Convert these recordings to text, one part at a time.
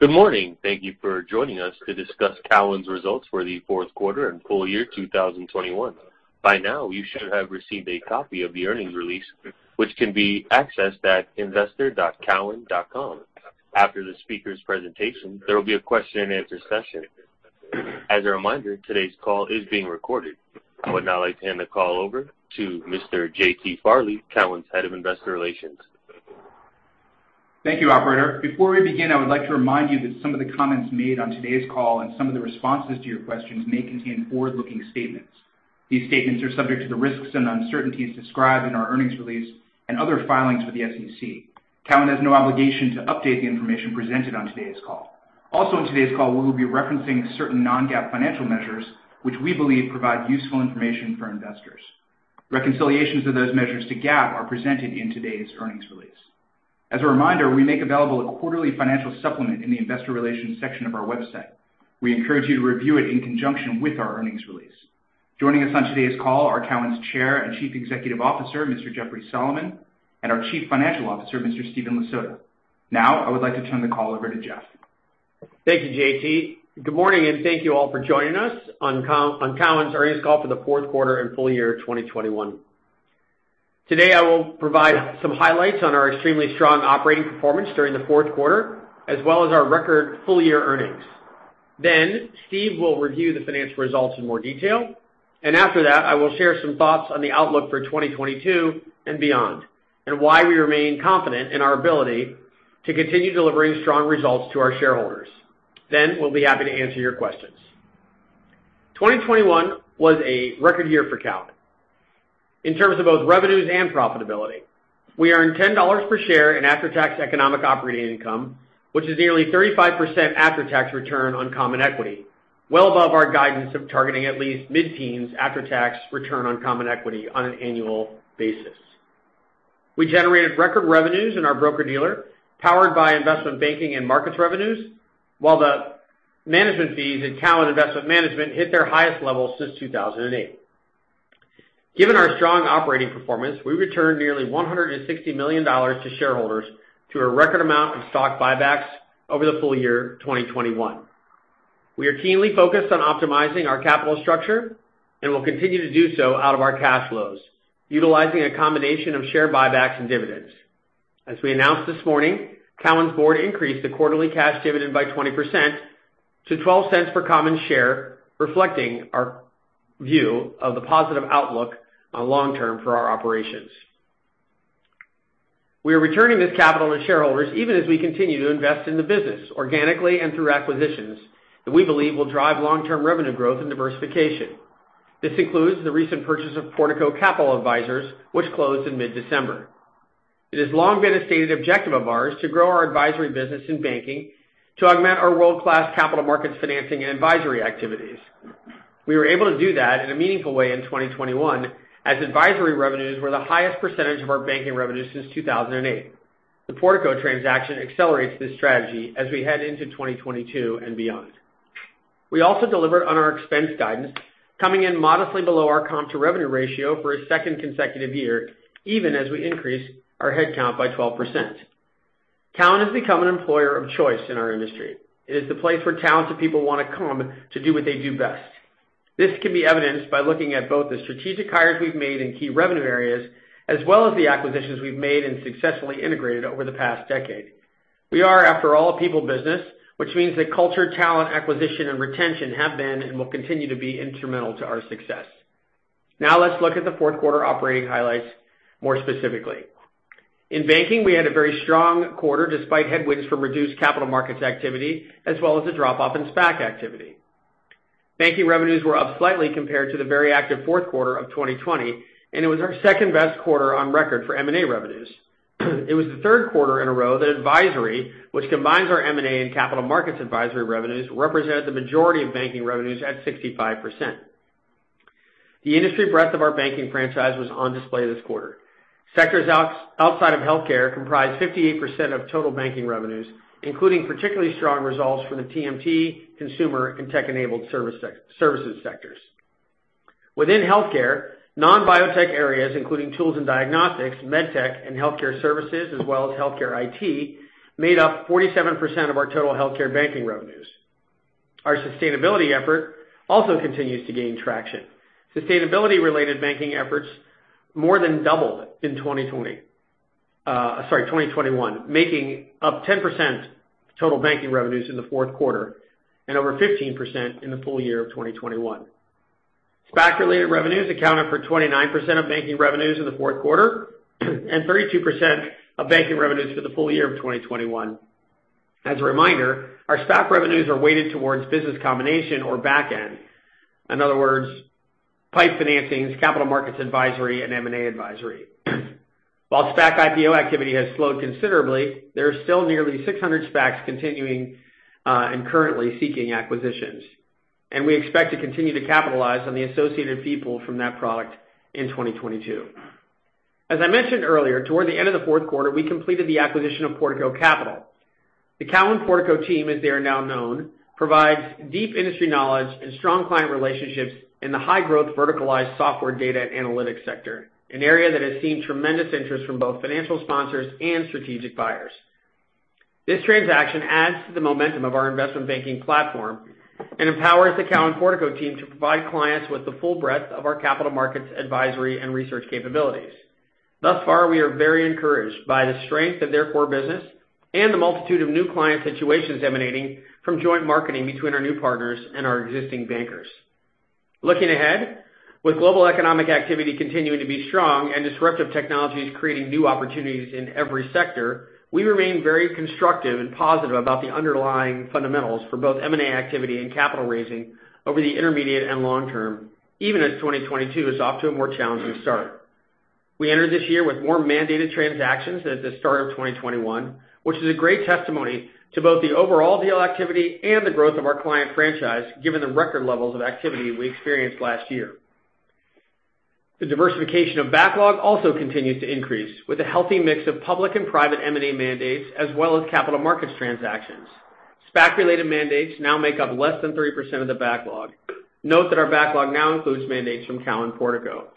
Good morning. Thank you for joining us to discuss Cowen's results for the fourth quarter and full year 2021. By now, you should have received a copy of the earnings release, which can be accessed at investor.cowen.com. After the speaker's presentation, there will be a question and answer session. As a reminder, today's call is being recorded. I would now like to hand the call over to Mr. J.T. Farley, Cowen's Head of Investor Relations. Thank you, operator. Before we begin, I would like to remind you that some of the comments made on today's call and some of the responses to your questions may contain forward-looking statements. These statements are subject to the risks and uncertainties described in our earnings release and other filings with the SEC. Cowen has no obligation to update the information presented on today's call. Also in today's call, we will be referencing certain non-GAAP financial measures which we believe provide useful information for investors. Reconciliations of those measures to GAAP are presented in today's earnings release. As a reminder, we make available a quarterly financial supplement in the investor relations section of our website. We encourage you to review it in conjunction with our earnings release. Joining us on today's call are Cowen's Chair and Chief Executive Officer, Mr. Jeffrey Solomon, and our Chief Financial Officer, Mr. Stephen Lasota. Now, I would like to turn the call over to Jeff. Thank you, J.T. Good morning, and thank you all for joining us on Cowen's earnings call for the fourth quarter and full year 2021. Today, I will provide some highlights on our extremely strong operating performance during the fourth quarter, as well as our record full-year earnings. Then Steve will review the financial results in more detail, and after that, I will share some thoughts on the outlook for 2022 and beyond, and why we remain confident in our ability to continue delivering strong results to our shareholders. Then we'll be happy to answer your questions. 2021 was a record year for Cowen in terms of both revenues and profitability. We earned $10 per share in after-tax economic operating income, which is nearly 35% after-tax return on common equity, well above our guidance of targeting at least mid-teens after-tax return on common equity on an annual basis. We generated record revenues in our broker-dealer, powered by investment banking and markets revenues, while the management fees in Cowen Investment Management hit their highest level since 2008. Given our strong operating performance, we returned nearly $160 million to shareholders through a record amount of stock buybacks over the full year 2021. We are keenly focused on optimizing our capital structure, and will continue to do so out of our cash flows, utilizing a combination of share buybacks and dividends. As we announced this morning, Cowen's board increased the quarterly cash dividend by 20% to $0.12 per common share, reflecting our view of the positive outlook on long term for our operations. We are returning this capital to shareholders even as we continue to invest in the business organically and through acquisitions that we believe will drive long-term revenue growth and diversification. This includes the recent purchase of Portico Capital Advisors, which closed in mid-December. It has long been a stated objective of ours to grow our advisory business in banking to augment our world-class capital markets financing and advisory activities. We were able to do that in a meaningful way in 2021, as advisory revenues were the highest percentage of our banking revenues since 2008. The Portico transaction accelerates this strategy as we head into 2022 and beyond. We also delivered on our expense guidance, coming in modestly below our comp to revenue ratio for a second consecutive year, even as we increase our headcount by 12%. Cowen has become an employer of choice in our industry. It is the place where talented people wanna come to do what they do best. This can be evidenced by looking at both the strategic hires we've made in key revenue areas, as well as the acquisitions we've made and successfully integrated over the past decade. We are, after all, a people business, which means that culture, talent, acquisition, and retention have been and will continue to be instrumental to our success. Now let's look at the fourth quarter operating highlights more specifically. In banking, we had a very strong quarter despite headwinds from reduced capital markets activity as well as the drop-off in SPAC activity. Banking revenues were up slightly compared to the very active fourth quarter of 2020, and it was our second-best quarter on record for M&A revenues. It was the third quarter in a row that advisory, which combines our M&A and capital markets advisory revenues, represented the majority of banking revenues at 65%. The industry breadth of our banking franchise was on display this quarter. Sectors outside of healthcare comprised 58% of total banking revenues, including particularly strong results from the TMT, consumer, and tech-enabled services sectors. Within healthcare, non-biotech areas, including tools and diagnostics, MedTech and healthcare services as well as Healthcare IT, made up 47% of our total healthcare banking revenues. Our sustainability effort also continues to gain traction. Sustainability-related banking efforts more than doubled in 2021, making up 10% of total banking revenues in the fourth quarter and over 15% in the full year of 2021. SPAC-related revenues accounted for 29% of banking revenues in the fourth quarter and 32% of banking revenues for the full year of 2021. As a reminder, our SPAC revenues are weighted towards business combination or back end. In other words, PIPE financings, capital markets advisory, and M&A advisory. While SPAC IPO activity has slowed considerably, there are still nearly 600 SPACs continuing and currently seeking acquisitions, and we expect to continue to capitalize on the associated PIPE from that product in 2022. As I mentioned earlier, toward the end of the fourth quarter, we completed the acquisition of Portico Capital. The Cowen Portico team, as they are now known, provides deep industry knowledge and strong client relationships in the high-growth verticalized software data and analytics sector, an area that has seen tremendous interest from both financial sponsors and strategic buyers. This transaction adds to the momentum of our investment banking platform and empowers the Cowen Portico team to provide clients with the full breadth of our capital markets advisory and research capabilities. Thus far, we are very encouraged by the strength of their core business and the multitude of new client situations emanating from joint marketing between our new partners and our existing bankers. Looking ahead, with global economic activity continuing to be strong and disruptive technologies creating new opportunities in every sector, we remain very constructive and positive about the underlying fundamentals for both M&A activity and capital raising over the intermediate and long term, even as 2022 is off to a more challenging start. We entered this year with more mandated transactions than at the start of 2021, which is a great testimony to both the overall deal activity and the growth of our client franchise, given the record levels of activity we experienced last year. The diversification of backlog also continues to increase, with a healthy mix of public and private M&A mandates, as well as capital markets transactions. SPAC-related mandates now make up less than 3% of the backlog. Note that our backlog now includes mandates from Cowen Portico.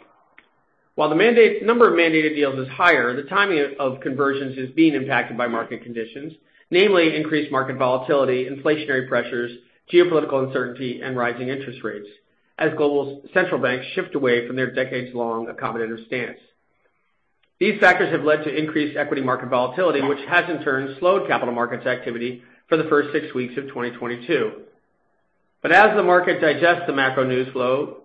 While the number of mandated deals is higher, the timing of conversions is being impacted by market conditions, namely increased market volatility, inflationary pressures, geopolitical uncertainty, and rising interest rates as global central banks shift away from their decades-long accommodative stance. These factors have led to increased equity market volatility, which has in turn slowed capital markets activity for the first six weeks of 2022. As the market digests the macro news flow,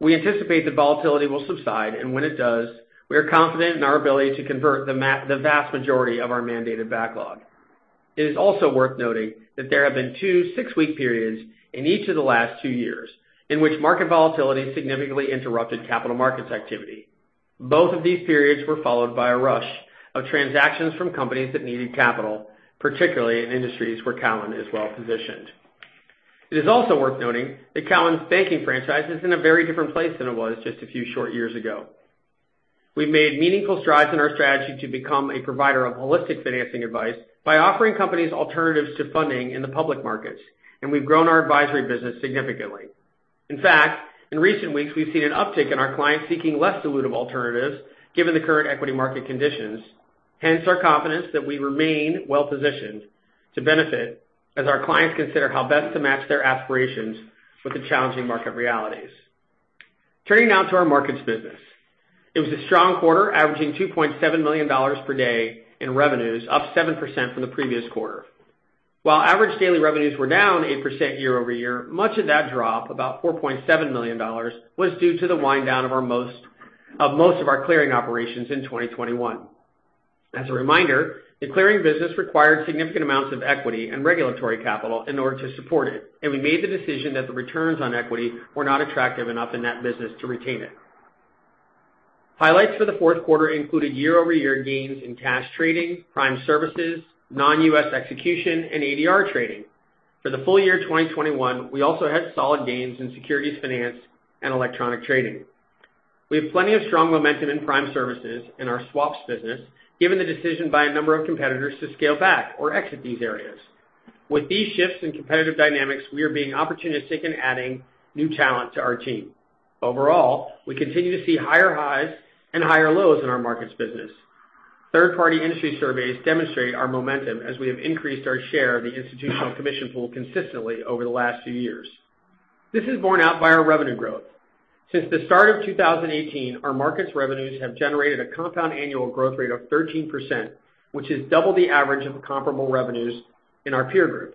we anticipate that volatility will subside, and when it does, we are confident in our ability to convert the vast majority of our mandated backlog. It is also worth noting that there have been two 6-week periods in each of the last two years in which market volatility significantly interrupted capital markets activity. Both of these periods were followed by a rush of transactions from companies that needed capital, particularly in industries where Cowen is well-positioned. It is also worth noting that Cowen's banking franchise is in a very different place than it was just a few short years ago. We've made meaningful strides in our strategy to become a provider of holistic financing advice by offering companies alternatives to funding in the public markets, and we've grown our advisory business significantly. In fact, in recent weeks, we've seen an uptick in our clients seeking less dilutive alternatives given the current equity market conditions, hence our confidence that we remain well-positioned to benefit as our clients consider how best to match their aspirations with the challenging market realities. Turning now to our markets business. It was a strong quarter, averaging $2.7 million per day in revenues, up 7% from the previous quarter. While average daily revenues were down 8% year-over-year, much of that drop, about $4.7 million, was due to the wind-down of most of our clearing operations in 2021. As a reminder, the clearing business required significant amounts of equity and regulatory capital in order to support it, and we made the decision that the returns on equity were not attractive enough in that business to retain it. Highlights for the fourth quarter included year-over-year gains in cash trading, prime services, non-U.S. execution, and ADR trading. For the full year 2021, we also had solid gains in securities finance and electronic trading. We have plenty of strong momentum in prime services in our swaps business, given the decision by a number of competitors to scale back or exit these areas. With these shifts in competitive dynamics, we are being opportunistic in adding new talent to our team. Overall, we continue to see higher highs and higher lows in our markets business. Third-party industry surveys demonstrate our momentum as we have increased our share of the institutional commission pool consistently over the last few years. This is borne out by our revenue growth. Since the start of 2018, our markets revenues have generated a compound annual growth rate of 13%, which is double the average of comparable revenues in our peer group.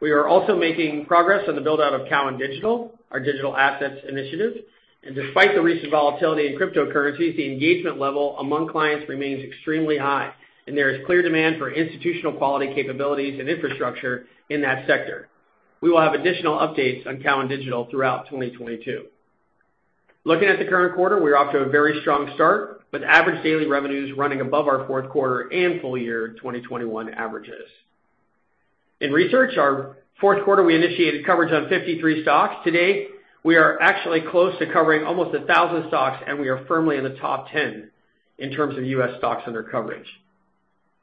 We are also making progress on the build-out of Cowen Digital, our digital assets initiative. Despite the recent volatility in cryptocurrencies, the engagement level among clients remains extremely high, and there is clear demand for institutional-quality capabilities and infrastructure in that sector. We will have additional updates on Cowen Digital throughout 2022. Looking at the current quarter, we're off to a very strong start, with average daily revenues running above our fourth quarter and full year 2021 averages. In research, in our fourth quarter, we initiated coverage on 53 stocks. To date, we are actually close to covering almost 1,000 stocks, and we are firmly in the top 10 in terms of U.S. stocks under coverage.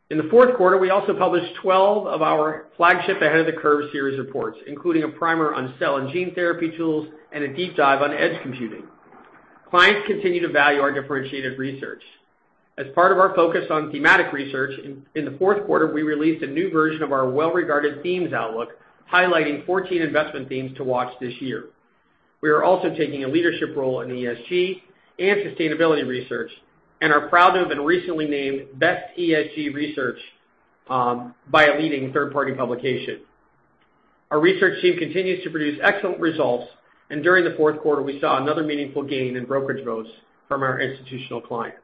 In the fourth quarter, we also published 12 of our flagship Ahead of the Curve series reports, including a primer on cell and gene therapy tools and a deep dive on edge computing. Clients continue to value our differentiated research. As part of our focus on thematic research, in the fourth quarter, we released a new version of our well-regarded themes outlook, highlighting 14 investment themes to watch this year. We are also taking a leadership role in ESG and sustainability research, and are proud to have been recently named best ESG research by a leading third-party publication. Our research team continues to produce excellent results, and during the fourth quarter, we saw another meaningful gain in brokerage votes from our institutional clients.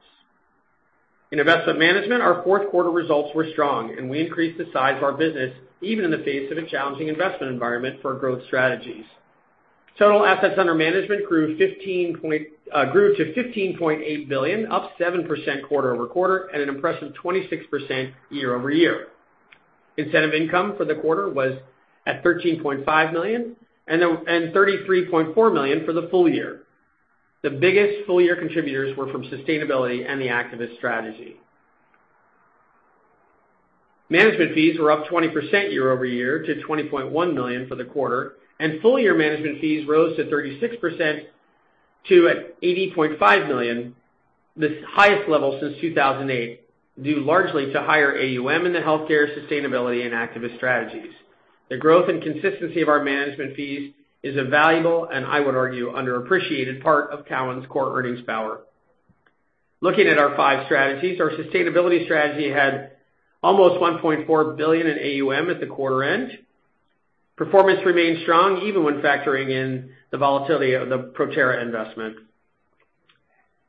In investment management, our fourth quarter results were strong, and we increased the size of our business even in the face of a challenging investment environment for growth strategies. Total assets under management grew to $15.8 billion, up 7% quarter-over-quarter at an impressive 26% year-over-year. Incentive income for the quarter was at $13.5 million, and $33.4 million for the full year. The biggest full-year contributors were from Sustainability and the Activist Strategy. Management fees were up 20% year-over-year to $20.1 million for the quarter, and full-year management fees rose 36% to $80.5 million, the highest level since 2008, due largely to higher AUM in the Healthcare, Sustainability, and Activist Strategies. The growth and consistency of our management fees is a valuable, and I would argue, underappreciated part of Cowen's core earnings power. Looking at our five strategies, our Sustainability Strategy had almost $1.4 billion in AUM at the quarter end. Performance remains strong even when factoring in the volatility of the Proterra investment.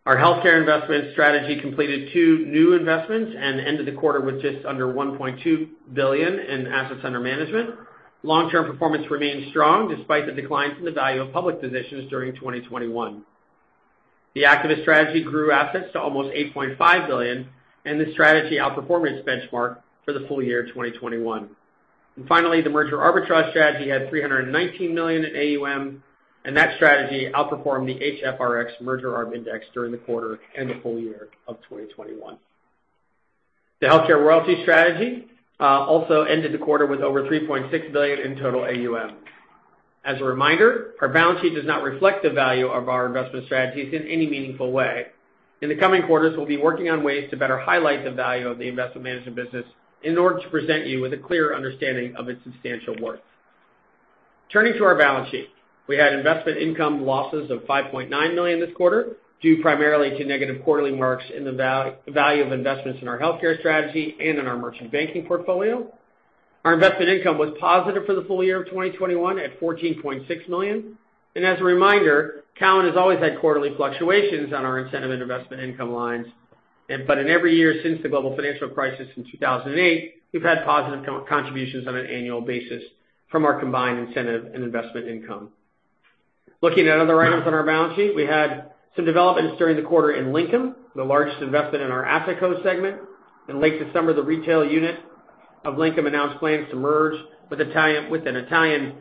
Our Healthcare Investment Strategy completed two new investments and ended the quarter with just under $1.2 billion in assets under management. Long-term performance remains strong despite the decline from the value of public positions during 2021. The Activist Strategy grew assets to almost $8.5 billion, and the strategy outperformed the benchmark for the full year 2021. Finally, the Merger Arbitrage Strategy had $319 million in AUM, and that strategy outperformed the HFRX Merger Arbitrage Index during the quarter and the full year of 2021. The Healthcare Royalty Strategy also ended the quarter with over $3.6 billion in total AUM. As a reminder, our balance sheet does not reflect the value of our investment strategies in any meaningful way. In the coming quarters, we'll be working on ways to better highlight the value of the investment management business in order to present you with a clear understanding of its substantial worth. Turning to our balance sheet. We had investment income losses of $5.9 million this quarter, due primarily to negative quarterly marks in the value of investments in our healthcare strategy and in our merchant banking portfolio. Our investment income was positive for the full year of 2021 at $14.6 million. As a reminder, Cowen has always had quarterly fluctuations on our incentive and investment income lines. In every year since the global financial crisis in 2008, we've had positive contributions on an annual basis from our combined incentive and investment income. Looking at other items on our balance sheet, we had some developments during the quarter in Linkem, the largest investment in our AssetCo segment. In late December, the retail unit of Linkem announced plans to merge with an Italian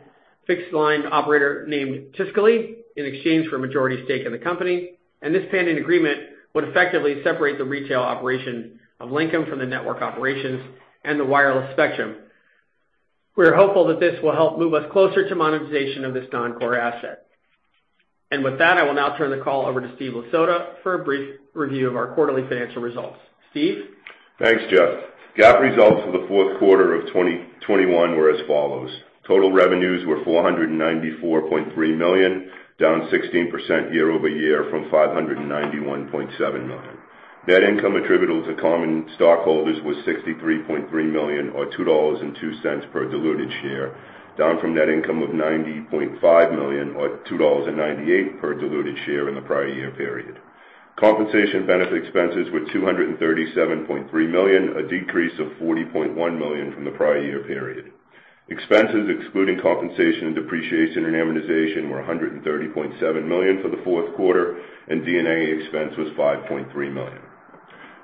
fixed line operator named Tiscali, in exchange for a majority stake in the company. This pending agreement would effectively separate the retail operation of Linkem from the network operations and the wireless spectrum. We are hopeful that this will help move us closer to monetization of this non-core asset. With that, I will now turn the call over to Stephen Lasota for a brief review of our quarterly financial results. Steve? Thanks, Jeff. GAAP results for the fourth quarter of 2021 were as follows: Total revenues were $494.3 million, down 16% year-over-year from $591.7 million. Net income attributable to common stockholders was $63.3 million or $2.02 per diluted share, down from net income of $90.5 million or $2.98 per diluted share in the prior year period. Compensation benefit expenses were $237.3 million, a decrease of $40.1 million from the prior year period. Expenses excluding compensation and depreciation and amortization were $130.7 million for the fourth quarter, and D&A expense was $5.3 million.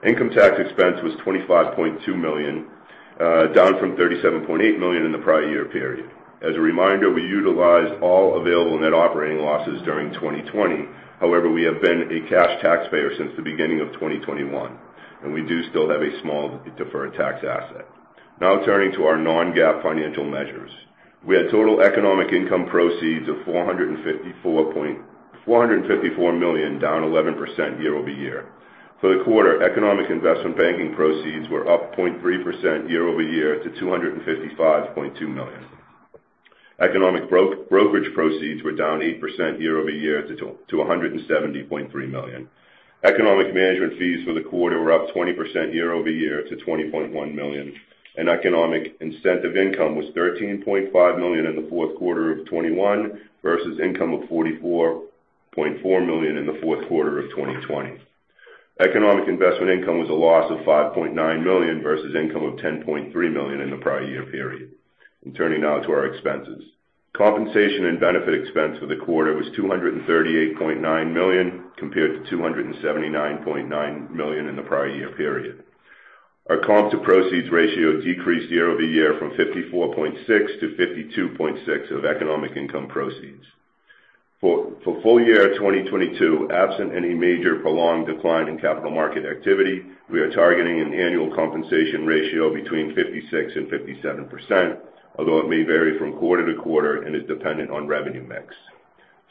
Income tax expense was $25.2 million, down from $37.8 million in the prior year period. As a reminder, we utilized all available net operating losses during 2020. However, we have been a cash taxpayer since the beginning of 2021, and we do still have a small deferred tax asset. Now turning to our non-GAAP financial measures. We had total economic income proceeds of $454 million, down 11% year-over-year. For the quarter, economic investment banking proceeds were up 0.3% year-over-year to $255.2 million. Economic brokerage proceeds were down 8% year-over-year to $170.3 million. Economic management fees for the quarter were up 20% year-over-year to $20.1 million. Economic incentive income was $13.5 million in the fourth quarter of 2021 versus income of $44.4 million in the fourth quarter of 2020. Economic investment income was a loss of $5.9 million versus income of $10.3 million in the prior year period. Turning now to our expenses. Compensation and benefit expense for the quarter was $238.9 million, compared to $279.9 million in the prior year period. Our comp to proceeds ratio decreased year-over-year from 54.6%-52.6% of economic income proceeds. For full year 2022, absent any major prolonged decline in capital market activity, we are targeting an annual compensation ratio between 56% and 57%, although it may vary from quarter to quarter and is dependent on revenue mix.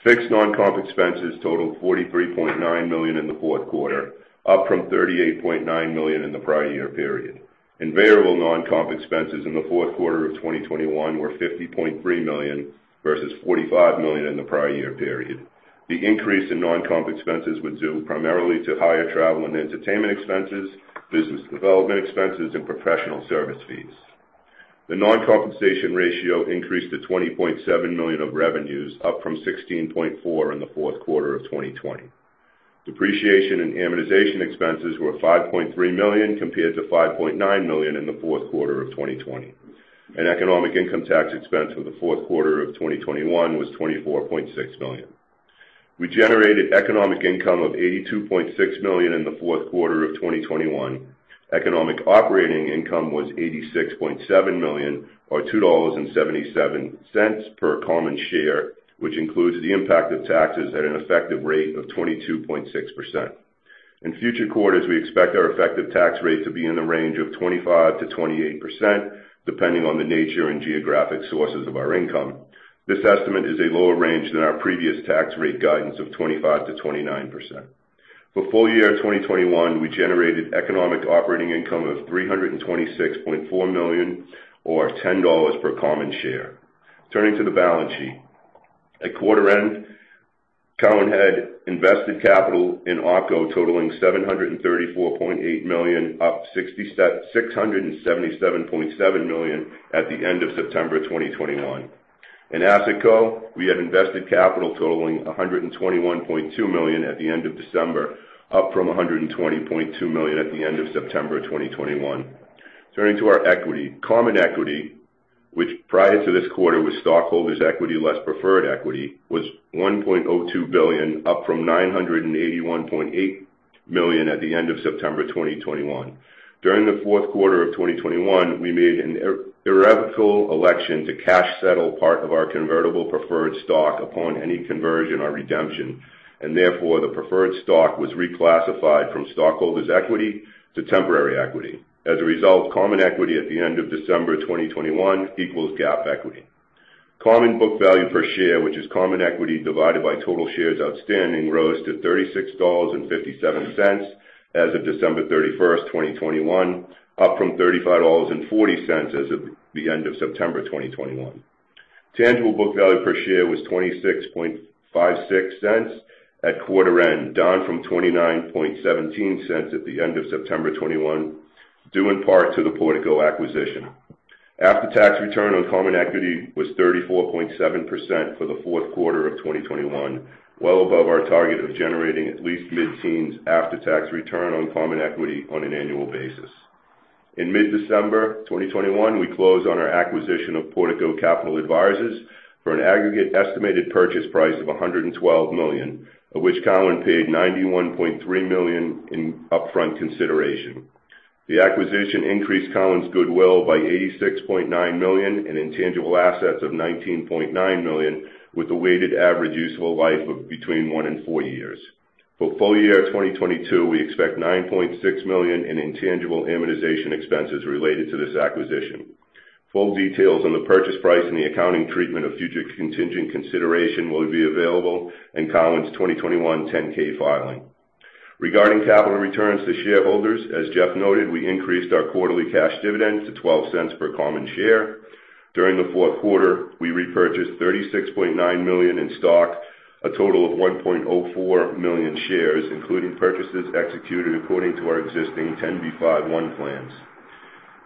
Fixed non-comp expenses totaled $43.9 million in the fourth quarter, up from $38.9 million in the prior year period. Variable non-comp expenses in the fourth quarter of 2021 were $50.3 million, versus $45 million in the prior year period. The increase in non-comp expenses was due primarily to higher travel and entertainment expenses, business development expenses, and professional service fees. The non-compensation ratio increased to 20.7% of revenues, up from 16.4% in the fourth quarter of 2020. Depreciation and amortization expenses were $5.3 million, compared to $5.9 million in the fourth quarter of 2020. Economic income tax expense for the fourth quarter of 2021 was $24.6 million. We generated economic income of $82.6 million in the fourth quarter of 2021. Economic operating income was $86.7 million or $2.77 per common share, which includes the impact of taxes at an effective rate of 22.6%. In future quarters, we expect our effective tax rate to be in the range of 25%-28%, depending on the nature and geographic sources of our income. This estimate is a lower range than our previous tax rate guidance of 25%-29%. For full year 2021, we generated economic operating income of $326.4 million, or $10 per common share. Turning to the balance sheet. At quarter end, Cowen had invested capital in OPCO totaling $734.8 million, up from $677.7 million at the end of September 2021. In AssetCo, we had invested capital totaling $121.2 million at the end of December, up from $120.2 million at the end of September 2021. Turning to our equity. Common equity, which prior to this quarter was stockholders' equity less preferred equity, was $1.02 billion, up from $981.8 million at the end of September 2021. During the fourth quarter of 2021, we made an irrevocable election to cash settle part of our convertible preferred stock upon any conversion or redemption, and therefore the preferred stock was reclassified from stockholders' equity to temporary equity. As a result, common equity at the end of December 2021 equals GAAP equity. Common book value per share, which is common equity divided by total shares outstanding, rose to $36.57 as of December 31st, 2021, up from $35.40 as of the end of September 2021. Tangible book value per share was $0.2656 at quarter end, down from $0.2917 at the end of September 2021, due in part to the Portico acquisition. After-tax return on common equity was 34.7% for the fourth quarter of 2021, well above our target of generating at least mid-teens after-tax return on common equity on an annual basis. In mid-December 2021, we closed on our acquisition of Portico Capital Advisors for an aggregate estimated purchase price of $112 million, of which Cowen paid $91.3 million in upfront consideration. The acquisition increased Cowen's goodwill by $86.9 million in intangible assets of $19.9 million, with a weighted average useful life of between one and four years. For full year 2022, we expect $9.6 million in intangible amortization expenses related to this acquisition. Full details on the purchase price and the accounting treatment of future contingent consideration will be available in Cowen's 2021 10-K filing. Regarding capital returns to shareholders, as Jeff noted, we increased our quarterly cash dividend to $0.12 per common share. During the fourth quarter, we repurchased $36.9 million in stock, a total of 1.04 million shares, including purchases executed according to our existing 10b5-1 plans.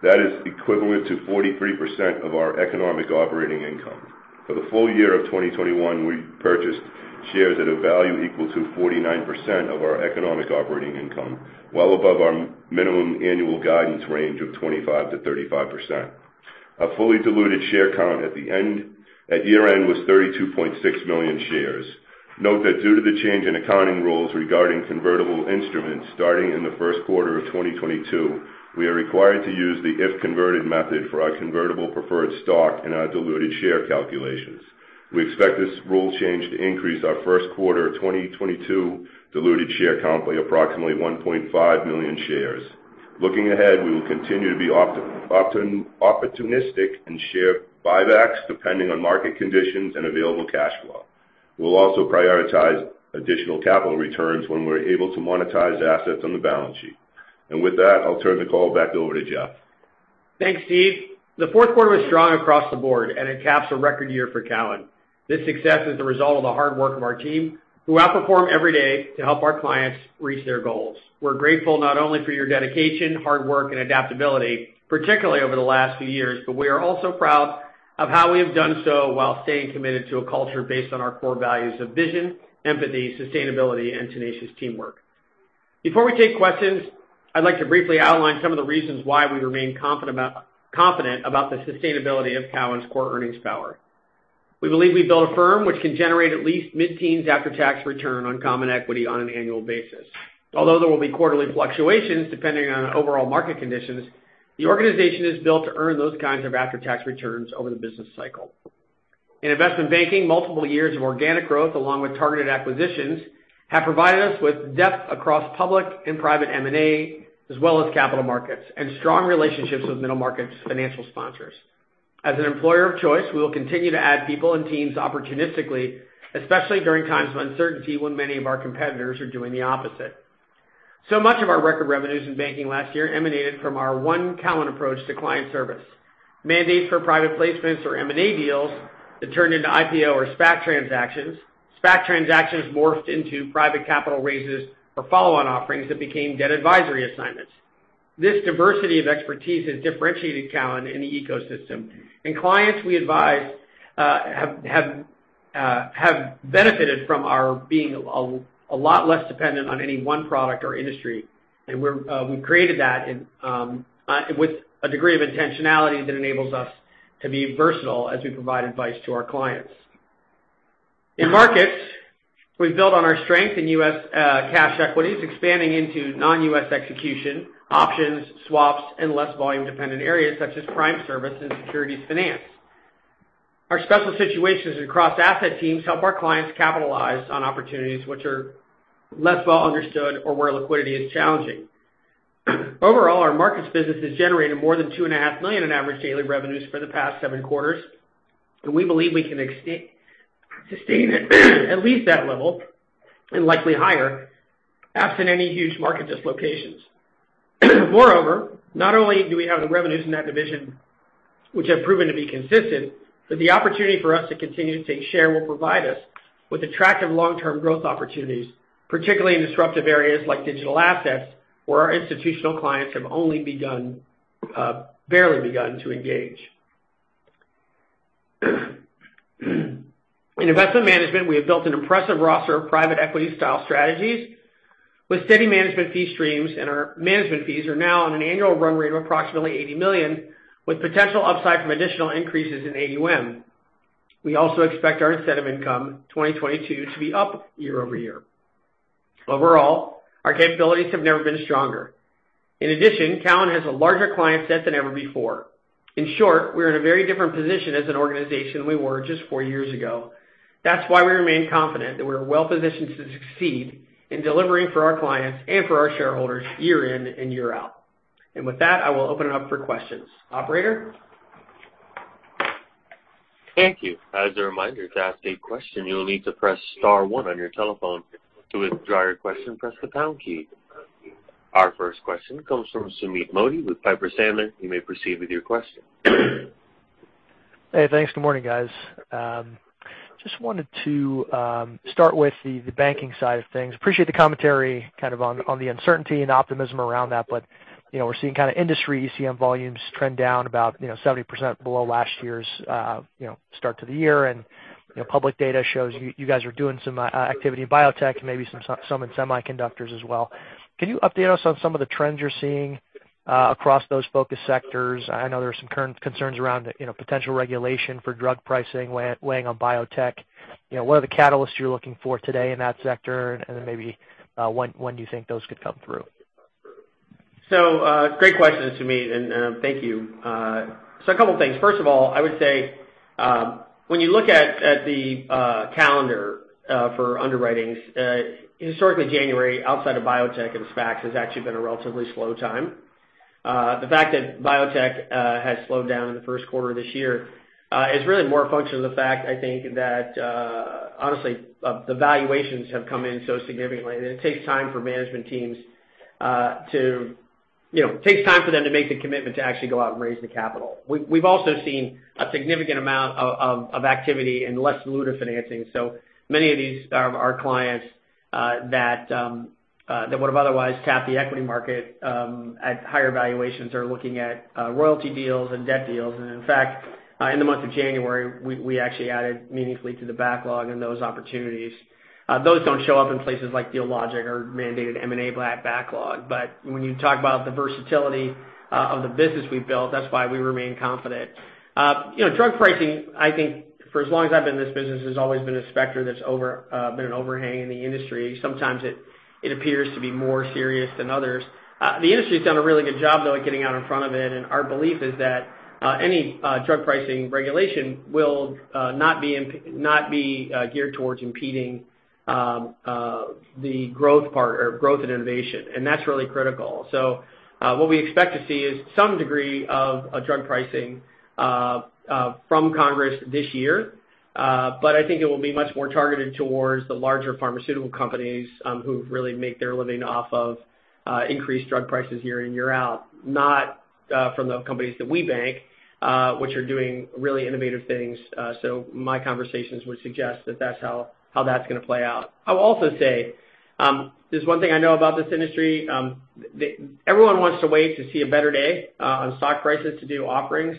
That is equivalent to 43% of our economic operating income. For the full year of 2021, we purchased shares at a value equal to 49% of our economic operating income, well above our minimum annual guidance range of 25%-35%. Our fully diluted share count at year-end was 32.6 million shares. Note that due to the change in accounting rules regarding convertible instruments starting in the first quarter of 2022, we are required to use the if-converted method for our convertible preferred stock in our diluted share calculations. We expect this rule change to increase our first quarter 2022 diluted share count by approximately 1.5 million shares. Looking ahead, we will continue to be opportunistic in share buybacks, depending on market conditions and available cash flow. We'll also prioritize additional capital returns when we're able to monetize assets on the balance sheet. With that, I'll turn the call back over to Jeff. Thanks, Steve. The fourth quarter was strong across the board, and it caps a record year for Cowen. This success is the result of the hard work of our team, who outperform every day to help our clients reach their goals. We're grateful not only for your dedication, hard work, and adaptability, particularly over the last few years, but we are also proud of how we have done so while staying committed to a culture based on our core values of vision, empathy, sustainability, and tenacious teamwork. Before we take questions, I'd like to briefly outline some of the reasons why we remain confident about the sustainability of Cowen's core earnings power. We believe we've built a firm which can generate at least mid-teens after-tax return on common equity on an annual basis. Although there will be quarterly fluctuations depending on overall market conditions, the organization is built to earn those kinds of after-tax returns over the business cycle. In investment banking, multiple years of organic growth along with targeted acquisitions have provided us with depth across public and private M&A, as well as capital markets, and strong relationships with middle market financial sponsors. As an employer of choice, we will continue to add people and teams opportunistically, especially during times of uncertainty when many of our competitors are doing the opposite. So much of our record revenues in banking last year emanated from our One Cowen approach to client service. Mandates for private placements or M&A deals that turned into IPO or SPAC transactions, SPAC transactions morphed into private capital raises or follow-on offerings that became debt advisory assignments. This diversity of expertise has differentiated Cowen in the ecosystem, and clients we advise have benefited from our being a lot less dependent on any one product or industry. We've created that with a degree of intentionality that enables us to be versatile as we provide advice to our clients. In markets, we've built on our strength in U.S. cash equities, expanding into non-U.S. execution, options, swaps, and less volume dependent areas such as prime services and securities finance. Our special situations across asset teams help our clients capitalize on opportunities which are less well understood or where liquidity is challenging. Overall, our markets business has generated more than $2.5 million in average daily revenues for the past seven quarters, and we believe we can sustain at least that level, and likely higher, absent any huge market dislocations. Moreover, not only do we have the revenues in that division which have proven to be consistent, but the opportunity for us to continue to take share will provide us with attractive long-term growth opportunities, particularly in disruptive areas like digital assets, where our institutional clients have only begun, barely begun to engage. In investment management, we have built an impressive roster of private equity style strategies with steady management fee streams, and our management fees are now on an annual run rate of approximately $80 million, with potential upside from additional increases in AUM. We also expect our incentive income 2022 to be up year-over-year. Overall, our capabilities have never been stronger. In addition, Cowen has a larger client set than ever before. In short, we're in a very different position as an organization than we were just four years ago. That's why we remain confident that we're well-positioned to succeed in delivering for our clients and for our shareholders year in and year out. With that, I will open it up for questions. Operator? Thank you. As a reminder, to ask a question, you will need to press star one on your telephone. To withdraw your question, press the pound key. Our first question comes from Sumeet Mody with Piper Sandler. You may proceed with your question. Hey, thanks. Good morning, guys. Just wanted to start with the banking side of things. Appreciate the commentary kind of on the uncertainty and optimism around that, but you know, we're seeing kinda industry ECM volumes trend down about 70% below last year's start to the year. You know, public data shows you guys are doing some activity in biotech, maybe some in semiconductors as well. Can you update us on some of the trends you're seeing across those focus sectors? I know there are some current concerns around potential regulation for drug pricing weighing on biotech. You know, what are the catalysts you're looking for today in that sector, and then maybe when do you think those could come through? Great question, Sumeet, and thank you. A couple things. First of all, I would say, when you look at the calendar for underwritings, historically January, outside of biotech and SPACs, has actually been a relatively slow time. The fact that biotech has slowed down in the first quarter this year is really more a function of the fact, I think, that honestly the valuations have come in so significantly, and it takes time for management teams to, you know, make the commitment to actually go out and raise the capital. We've also seen a significant amount of activity in less dilutive financing. Many of these are clients that would've otherwise tapped the equity market at higher valuations are looking at royalty deals and debt deals. In fact, in the month of January, we actually added meaningfully to the backlog in those opportunities. Those don't show up in places like Dealogic or mandated M&A backlog. When you talk about the versatility of the business we've built, that's why we remain confident. You know, drug pricing, I think, for as long as I've been in this business, has always been a specter that's been an overhang in the industry. Sometimes it appears to be more serious than others. The industry's done a really good job, though, at getting out in front of it. Our belief is that any drug pricing regulation will not be geared towards impeding the growth and innovation. That's really critical. What we expect to see is some degree of drug pricing from Congress this year. But I think it will be much more targeted towards the larger pharmaceutical companies who really make their living off of increased drug prices year in, year out, not from the companies that we bank which are doing really innovative things. My conversations would suggest that that's how that's gonna play out. I will also say, there's one thing I know about this industry. Everyone wants to wait to see a better day on stock prices to do offerings,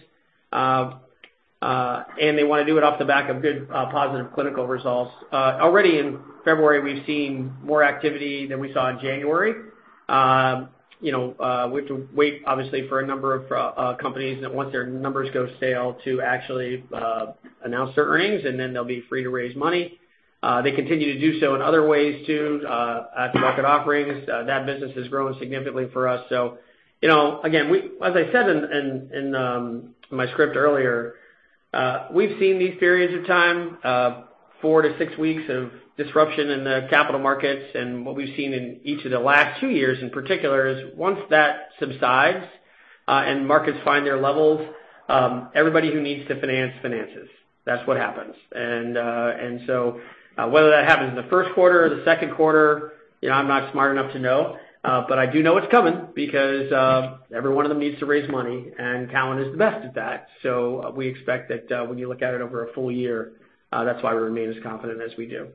and they wanna do it off the back of good, positive clinical results. Already in February, we've seen more activity than we saw in January. You know, we have to wait, obviously, for a number of companies that once their numbers go stale to actually announce their earnings, and then they'll be free to raise money. They continue to do so in other ways, too, at-the-market offerings. That business has grown significantly for us. So, you know, again, as I said in my script earlier, we've seen these periods of time, four to six weeks of disruption in the capital markets. What we've seen in each of the last two years in particular is once that subsides, and markets find their levels, everybody who needs to finance, finances. That's what happens. Whether that happens in the first quarter or the second quarter, you know, I'm not smart enough to know. I do know it's coming because every one of them needs to raise money, and Cowen is the best at that. We expect that, when you look at it over a full year, that's why we remain as confident as we do.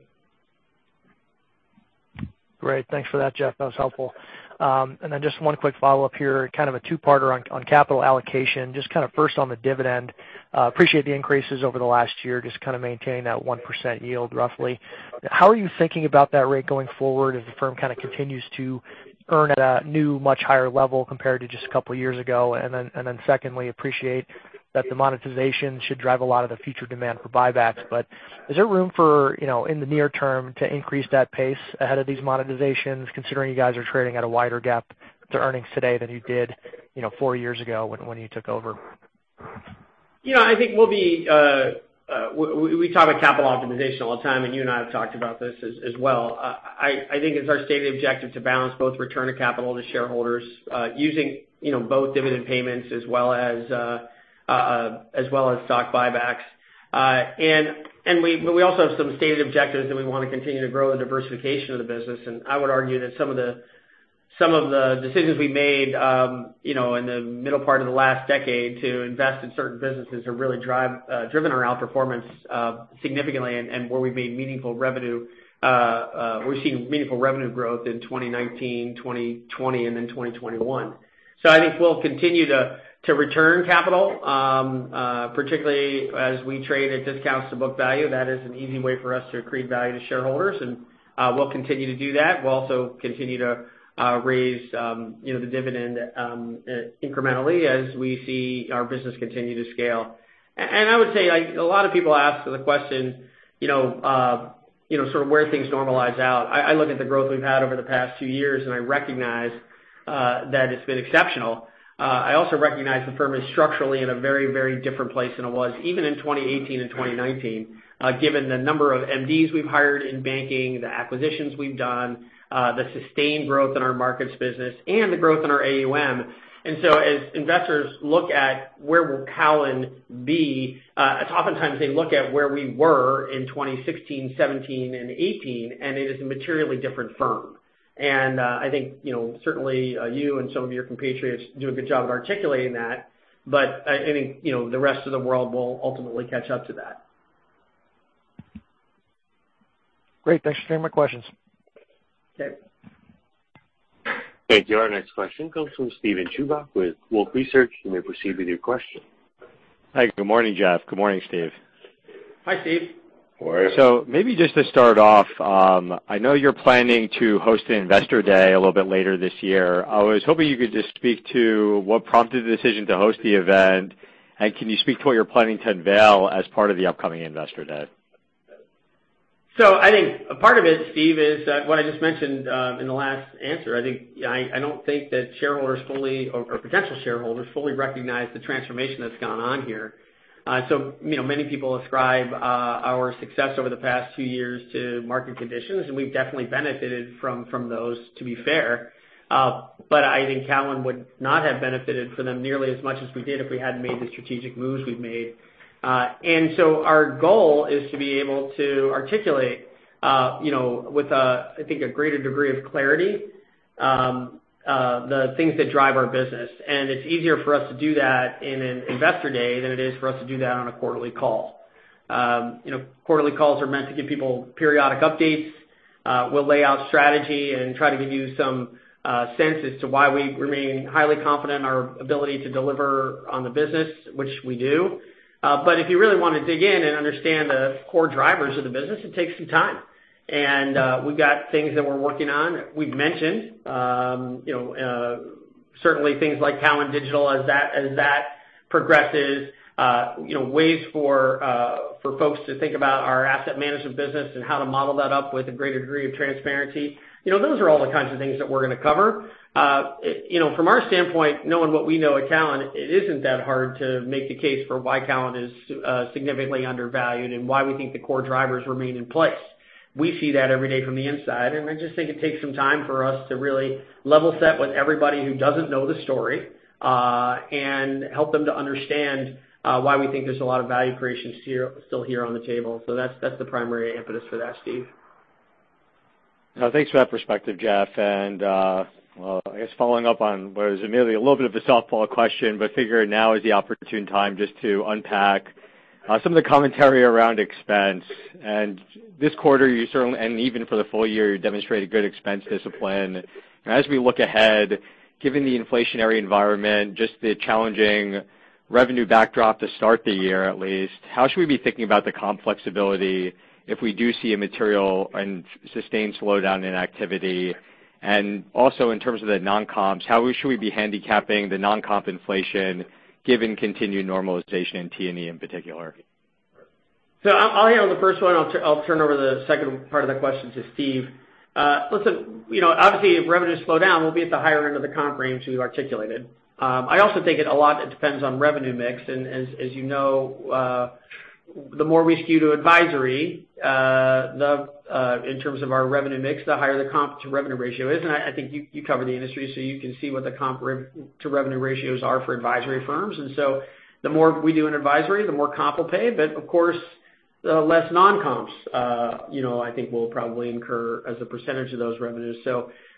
Great. Thanks for that, Jeff. That was helpful. Just one quick follow-up here, kind of a two-parter on capital allocation. Just kind of first on the dividend, appreciate the increases over the last year, just kind of maintaining that 1% yield roughly. How are you thinking about that rate going forward as the firm kind of continues to earn at a new, much higher level compared to just a couple of years ago? Secondly, appreciate that the monetization should drive a lot of the future demand for buybacks. But is there room for, you know, in the near term, to increase that pace ahead of these monetizations, considering you guys are trading at a wider gap to earnings today than you did, you know, four years ago when you took over? You know, I think we'll be, we talk about capital optimization all the time, and you and I have talked about this as well. I think it's our stated objective to balance both return of capital to shareholders, using, you know, both dividend payments as well as stock buybacks. We also have some stated objectives that we wanna continue to grow the diversification of the business. I would argue that some of the decisions we made, you know, in the middle part of the last decade to invest in certain businesses have really driven our outperformance significantly and where we've made meaningful revenue, we've seen meaningful revenue growth in 2019, 2020 and then 2021. I think we'll continue to return capital, particularly as we trade at discounts to book value. That is an easy way for us to create value to shareholders, and we'll continue to do that. We'll also continue to raise, you know, the dividend incrementally as we see our business continue to scale. I would say, like a lot of people ask the question, you know, you know, sort of where things normalize out. I look at the growth we've had over the past two years, and I recognize that it's been exceptional. I also recognize the firm is structurally in a very, very different place than it was even in 2018 and 2019, given the number of MDs we've hired in banking, the acquisitions we've done, the sustained growth in our markets business and the growth in our AUM. As investors look at where will Cowen be, oftentimes they look at where we were in 2016, 2017 and 2018, and it is a materially different firm. I think, you know, certainly, you and some of your compatriots do a good job of articulating that. I think, you know, the rest of the world will ultimately catch up to that. Great. Thanks for taking my questions. Okay. Thank you. Our next question comes from Steven Chubak with Wolfe Research. You may proceed with your question. Hi, good morning, Jeff. Good morning, Steve. Hi, Steve. Morning. Maybe just to start off, I know you're planning to host an Investor Day a little bit later this year. I was hoping you could just speak to what prompted the decision to host the event. Can you speak to what you're planning to unveil as part of the upcoming Investor Day? I think a part of it, Steve, is what I just mentioned in the last answer. I think I don't think that shareholders fully or potential shareholders fully recognize the transformation that's gone on here. You know, many people ascribe our success over the past two years to market conditions, and we've definitely benefited from those, to be fair. But I think Cowen would not have benefited from them nearly as much as we did if we hadn't made the strategic moves we've made. Our goal is to be able to articulate, you know, with a, I think, a greater degree of clarity the things that drive our business. It's easier for us to do that in an Investor Day than it is for us to do that on a quarterly call. Quarterly calls are meant to give people periodic updates. We'll lay out strategy and try to give you some sense as to why we remain highly confident in our ability to deliver on the business, which we do. But if you really wanna dig in and understand the core drivers of the business, it takes some time. We've got things that we're working on. We've mentioned, you know, certainly things like Cowen Digital as that progresses, you know, ways for folks to think about our asset management business and how to model that up with a greater degree of transparency. You know, those are all the kinds of things that we're gonna cover. You know, from our standpoint, knowing what we know at Cowen, it isn't that hard to make the case for why Cowen is significantly undervalued and why we think the core drivers remain in place. We see that every day from the inside, and I just think it takes some time for us to really level set with everybody who doesn't know the story, and help them to understand why we think there's a lot of value creation here, still here on the table. That's the primary impetus for that, Steve. No, thanks for that perspective, Jeff. Well, I guess following up on what was immediately a little bit of a softball question, but I figure now is the opportune time just to unpack some of the commentary around expense. This quarter, you certainly, and even for the full year, demonstrated good expense discipline. As we look ahead, given the inflationary environment, just the challenging revenue backdrop to start the year, at least, how should we be thinking about the comp flexibility if we do see a material and sustained slowdown in activity? Also, in terms of the non-comps, how should we be handicapping the non-comp inflation given continued normalization in T&E in particular? I'll handle the first one. I'll turn over the second part of that question to Steve. Listen, you know, obviously if revenues slow down, we'll be at the higher end of the comp range we've articulated. I also think it all depends on revenue mix. As you know, the more we skew to advisory in terms of our revenue mix, the higher the comp-to-revenue ratio is. I think you cover the industry, so you can see what the comp-to-revenue ratios are for advisory firms. The more we do in advisory, the more comp we'll pay. But of course, less non-comps, you know, I think we'll probably incur as a percentage of those revenues.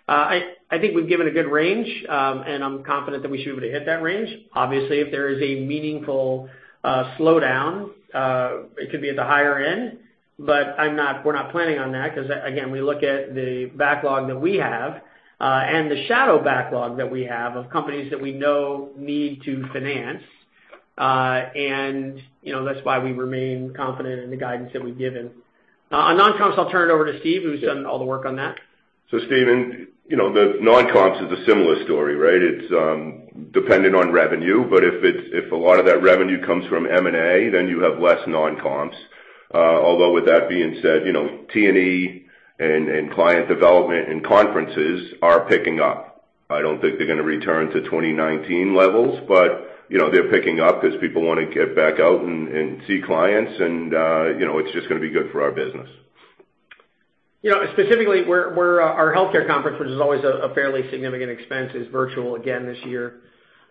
I think we've given a good range, and I'm confident that we should be able to hit that range. Obviously, if there is a meaningful slowdown, it could be at the higher end, but we're not planning on that 'cause again, we look at the backlog that we have, and the shadow backlog that we have of companies that we know need to finance. You know, that's why we remain confident in the guidance that we've given. On non-comps, I'll turn it over to Steve, who's done all the work on that. Stephen, you know, the non-comps is a similar story, right? It's dependent on revenue, but if a lot of that revenue comes from M&A, then you have less non-comps. Although with that being said, you know, T&E and client development and conferences are picking up. I don't think they're gonna return to 2019 levels, but, you know, they're picking up because people wanna get back out and see clients and, you know, it's just gonna be good for our business. You know, specifically, we're our healthcare conference, which is always a fairly significant expense, is virtual again this year.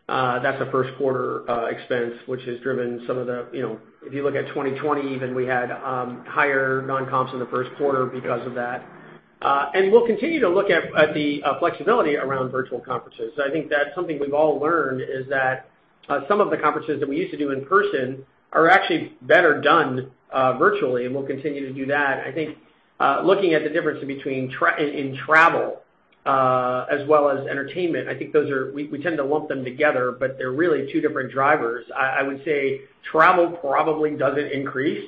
That's a first quarter expense, which has driven some of the. You know, if you look at 2020 even we had higher non-comps in the first quarter because of that. We'll continue to look at the flexibility around virtual conferences. I think that's something we've all learned is that some of the conferences that we used to do in person are actually better done virtually, and we'll continue to do that. I think looking at the difference between travel and entertainment, I think those are. We tend to lump them together, but they're really two different drivers. I would say travel probably doesn't increase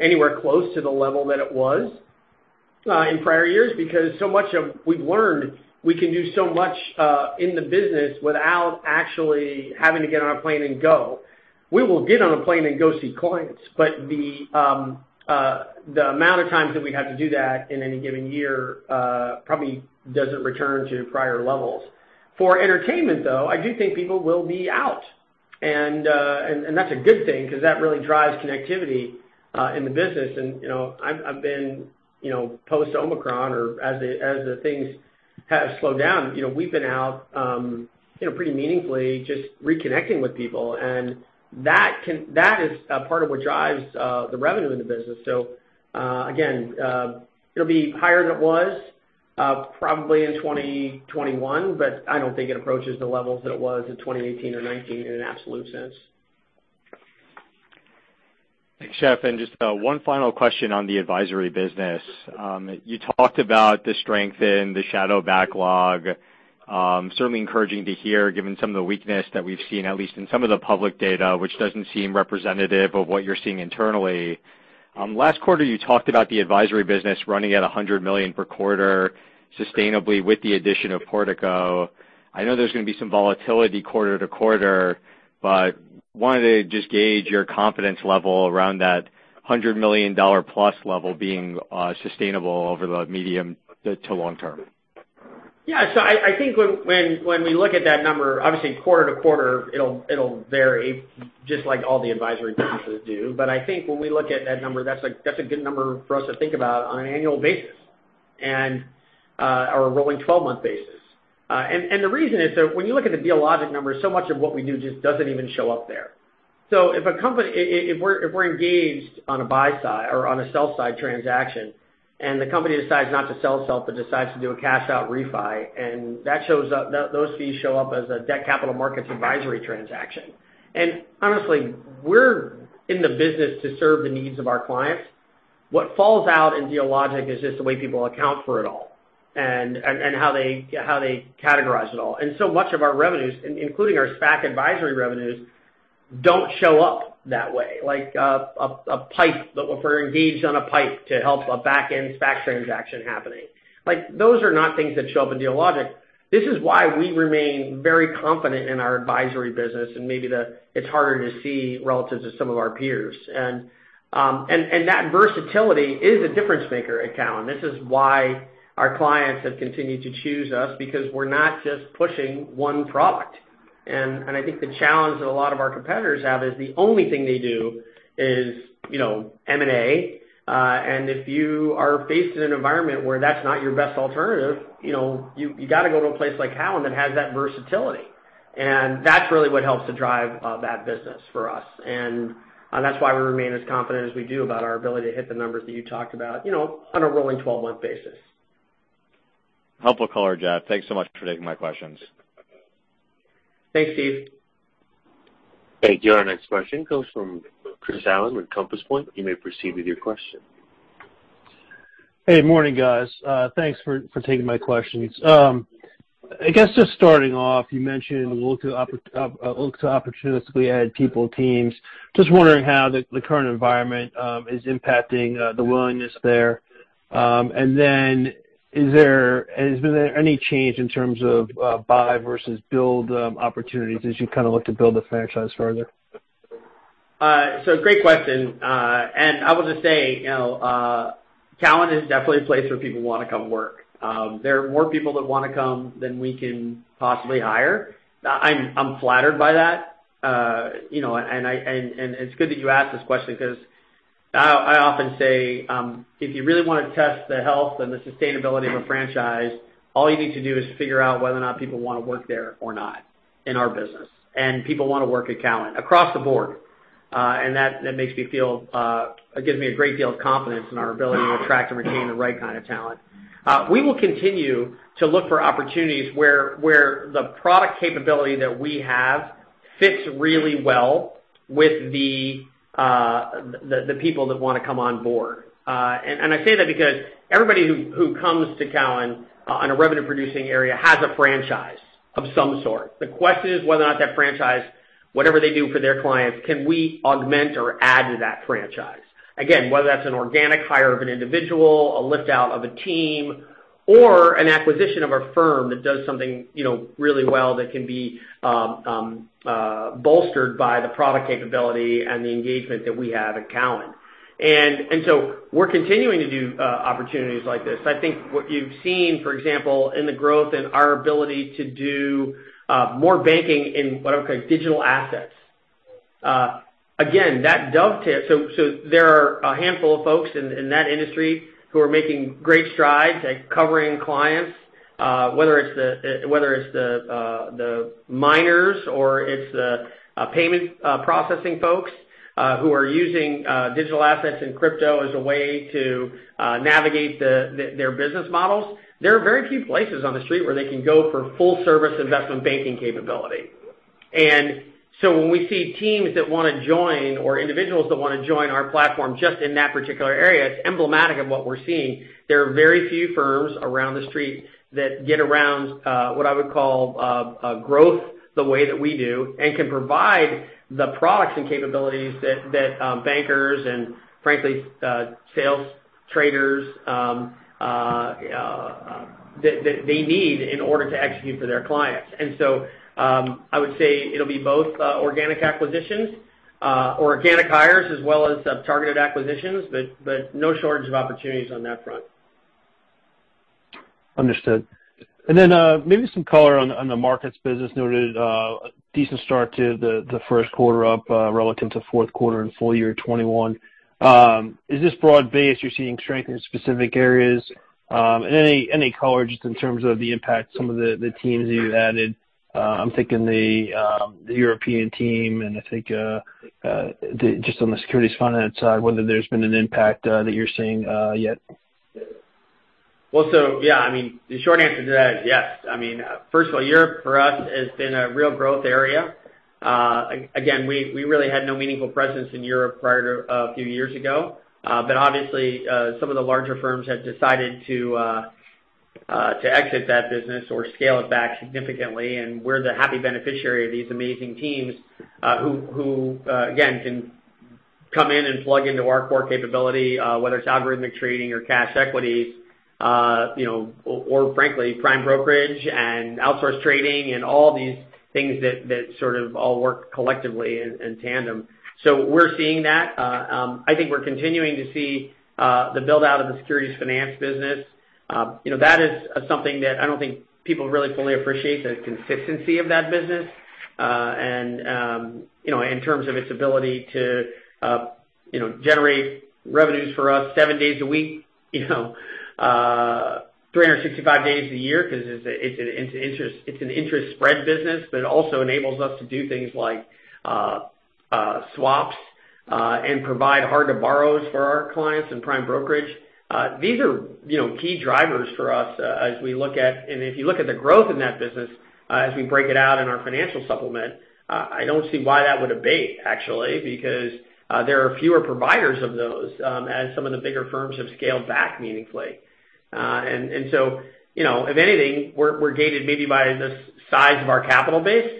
anywhere close to the level that it was in prior years because we've learned we can do so much in the business without actually having to get on a plane and go. We will get on a plane and go see clients, but the amount of times that we have to do that in any given year probably doesn't return to prior levels. For entertainment, though, I do think people will be out. That's a good thing because that really drives connectivity in the business. You know, I've been, you know, post-Omicron or as the things have slowed down, you know, we've been out, you know, pretty meaningfully just reconnecting with people. That is a part of what drives the revenue in the business. Again, it'll be higher than it was, probably in 2021, but I don't think it approaches the levels that it was in 2018 or 2019 in an absolute sense. Thanks, Jeff. Just one final question on the advisory business. You talked about the strength in the shadow backlog. Certainly encouraging to hear given some of the weakness that we've seen, at least in some of the public data, which doesn't seem representative of what you're seeing internally. Last quarter, you talked about the advisory business running at $100 million per quarter sustainably with the addition of Portico. I know there's gonna be some volatility quarter-to-quarter, but wanted to just gauge your confidence level around that $100 million plus level being sustainable over the medium to long term? Yeah. I think when we look at that number, obviously quarter-to-quarter, it'll vary just like all the advisory classes do. I think when we look at that number, that's a good number for us to think about on an annual basis and our rolling 12-month basis. The reason is that when you look at the Dealogic numbers, so much of what we do just doesn't even show up there. If a company, if we're engaged on a buy-side or on a sell-side transaction, and the company decides not to sell itself, but decides to do a cash-out refi, and that shows up, those fees show up as a debt capital markets advisory transaction. Honestly, we're in the business to serve the needs of our clients. What falls out in Dealogic is just the way people account for it all and how they categorize it all. So much of our revenues, including our SPAC advisory revenues, don't show up that way. Like, a PIPE, if we're engaged on a PIPE to help a backend SPAC transaction happening. Like, those are not things that show up in Dealogic. This is why we remain very confident in our advisory business and maybe it's harder to see relative to some of our peers. That versatility is a difference maker at Cowen. This is why our clients have continued to choose us because we're not just pushing one product. I think the challenge that a lot of our competitors have is the only thing they do is, you know, M&A. If you are faced in an environment where that's not your best alternative, you know, you gotta go to a place like Cowen that has that versatility. That's really what helps to drive that business for us. That's why we remain as confident as we do about our ability to hit the numbers that you talked about, you know, on a rolling twelve-month basis. Helpful color, Jeff. Thanks so much for taking my questions. Thanks, Steve. Thank you. Our next question comes from Chris Allen with Compass Point. You may proceed with your question. Hey, morning, guys. Thanks for taking my questions. I guess just starting off, you mentioned look to opportunistically add people, teams. Just wondering how the current environment is impacting the willingness there. Has there been any change in terms of buy versus build opportunities as you kind of look to build the franchise further? Great question. I will just say, you know, Cowen is definitely a place where people wanna come work. There are more people that wanna come than we can possibly hire. I'm flattered by that. You know, it's good that you ask this question because I often say, if you really wanna test the health and the sustainability of a franchise, all you need to do is figure out whether or not people wanna work there or not in our business. People wanna work at Cowen across the board. That makes me feel it gives me a great deal of confidence in our ability to attract and retain the right kind of talent. We will continue to look for opportunities where the product capability that we have fits really well with the people that wanna come on board. I say that because everybody who comes to Cowen on a revenue-producing area has a franchise of some sort. The question is whether or not that franchise, whatever they do for their clients, can we augment or add to that franchise? Again, whether that's an organic hire of an individual, a lift out of a team, or an acquisition of a firm that does something, you know, really well that can be bolstered by the product capability and the engagement that we have at Cowen. We're continuing to do opportunities like this. I think what you've seen, for example, in the growth in our ability to do more banking in what I would call digital assets. Again, that dovetails, so there are a handful of folks in that industry who are making great strides at covering clients, whether it's the miners or it's the payment processing folks, who are using digital assets and crypto as a way to navigate their business models. There are very few places on the street where they can go for full service investment banking capability. When we see teams that wanna join or individuals that wanna join our platform just in that particular area, it's emblematic of what we're seeing. There are very few firms around the Street that get around what I would call growth the way that we do and can provide the products and capabilities that bankers and frankly sales traders that they need in order to execute for their clients. I would say it'll be both organic acquisitions, organic hires as well as targeted acquisitions, but no shortage of opportunities on that front. Understood. Then, maybe some color on the markets business noted, decent start to the first quarter up relative to fourth quarter and full year 2021. Is this broad-based, you're seeing strength in specific areas? Any color just in terms of the impact some of the teams that you've added, I'm thinking the European team and I think just on the securities finance side, whether there's been an impact that you're seeing yet. Yeah. I mean, the short answer to that is yes. I mean, first of all, Europe for us has been a real growth area. Again, we really had no meaningful presence in Europe prior to a few years ago. But obviously, some of the larger firms have decided to exit that business or scale it back significantly. We're the happy beneficiary of these amazing teams, who again can come in and plug into our core capability, whether it's algorithmic trading or cash equities, you know, or frankly, prime brokerage and outsource trading and all these things that sort of all work collectively in tandem. We're seeing that. I think we're continuing to see the build-out of the securities finance business. You know, that is something that I don't think people really fully appreciate the consistency of that business. You know, in terms of its ability to generate revenues for us seven days a week, you know, 365 days a year, 'cause it's an interest spread business, but it also enables us to do things like swaps and provide hard to borrows for our clients in prime brokerage. These are, you know, key drivers for us as we look at. If you look at the growth in that business, as we break it out in our financial supplement, I don't see why that would abate actually, because there are fewer providers of those, as some of the bigger firms have scaled back meaningfully. You know, if anything, we're gated maybe by the size of our capital base.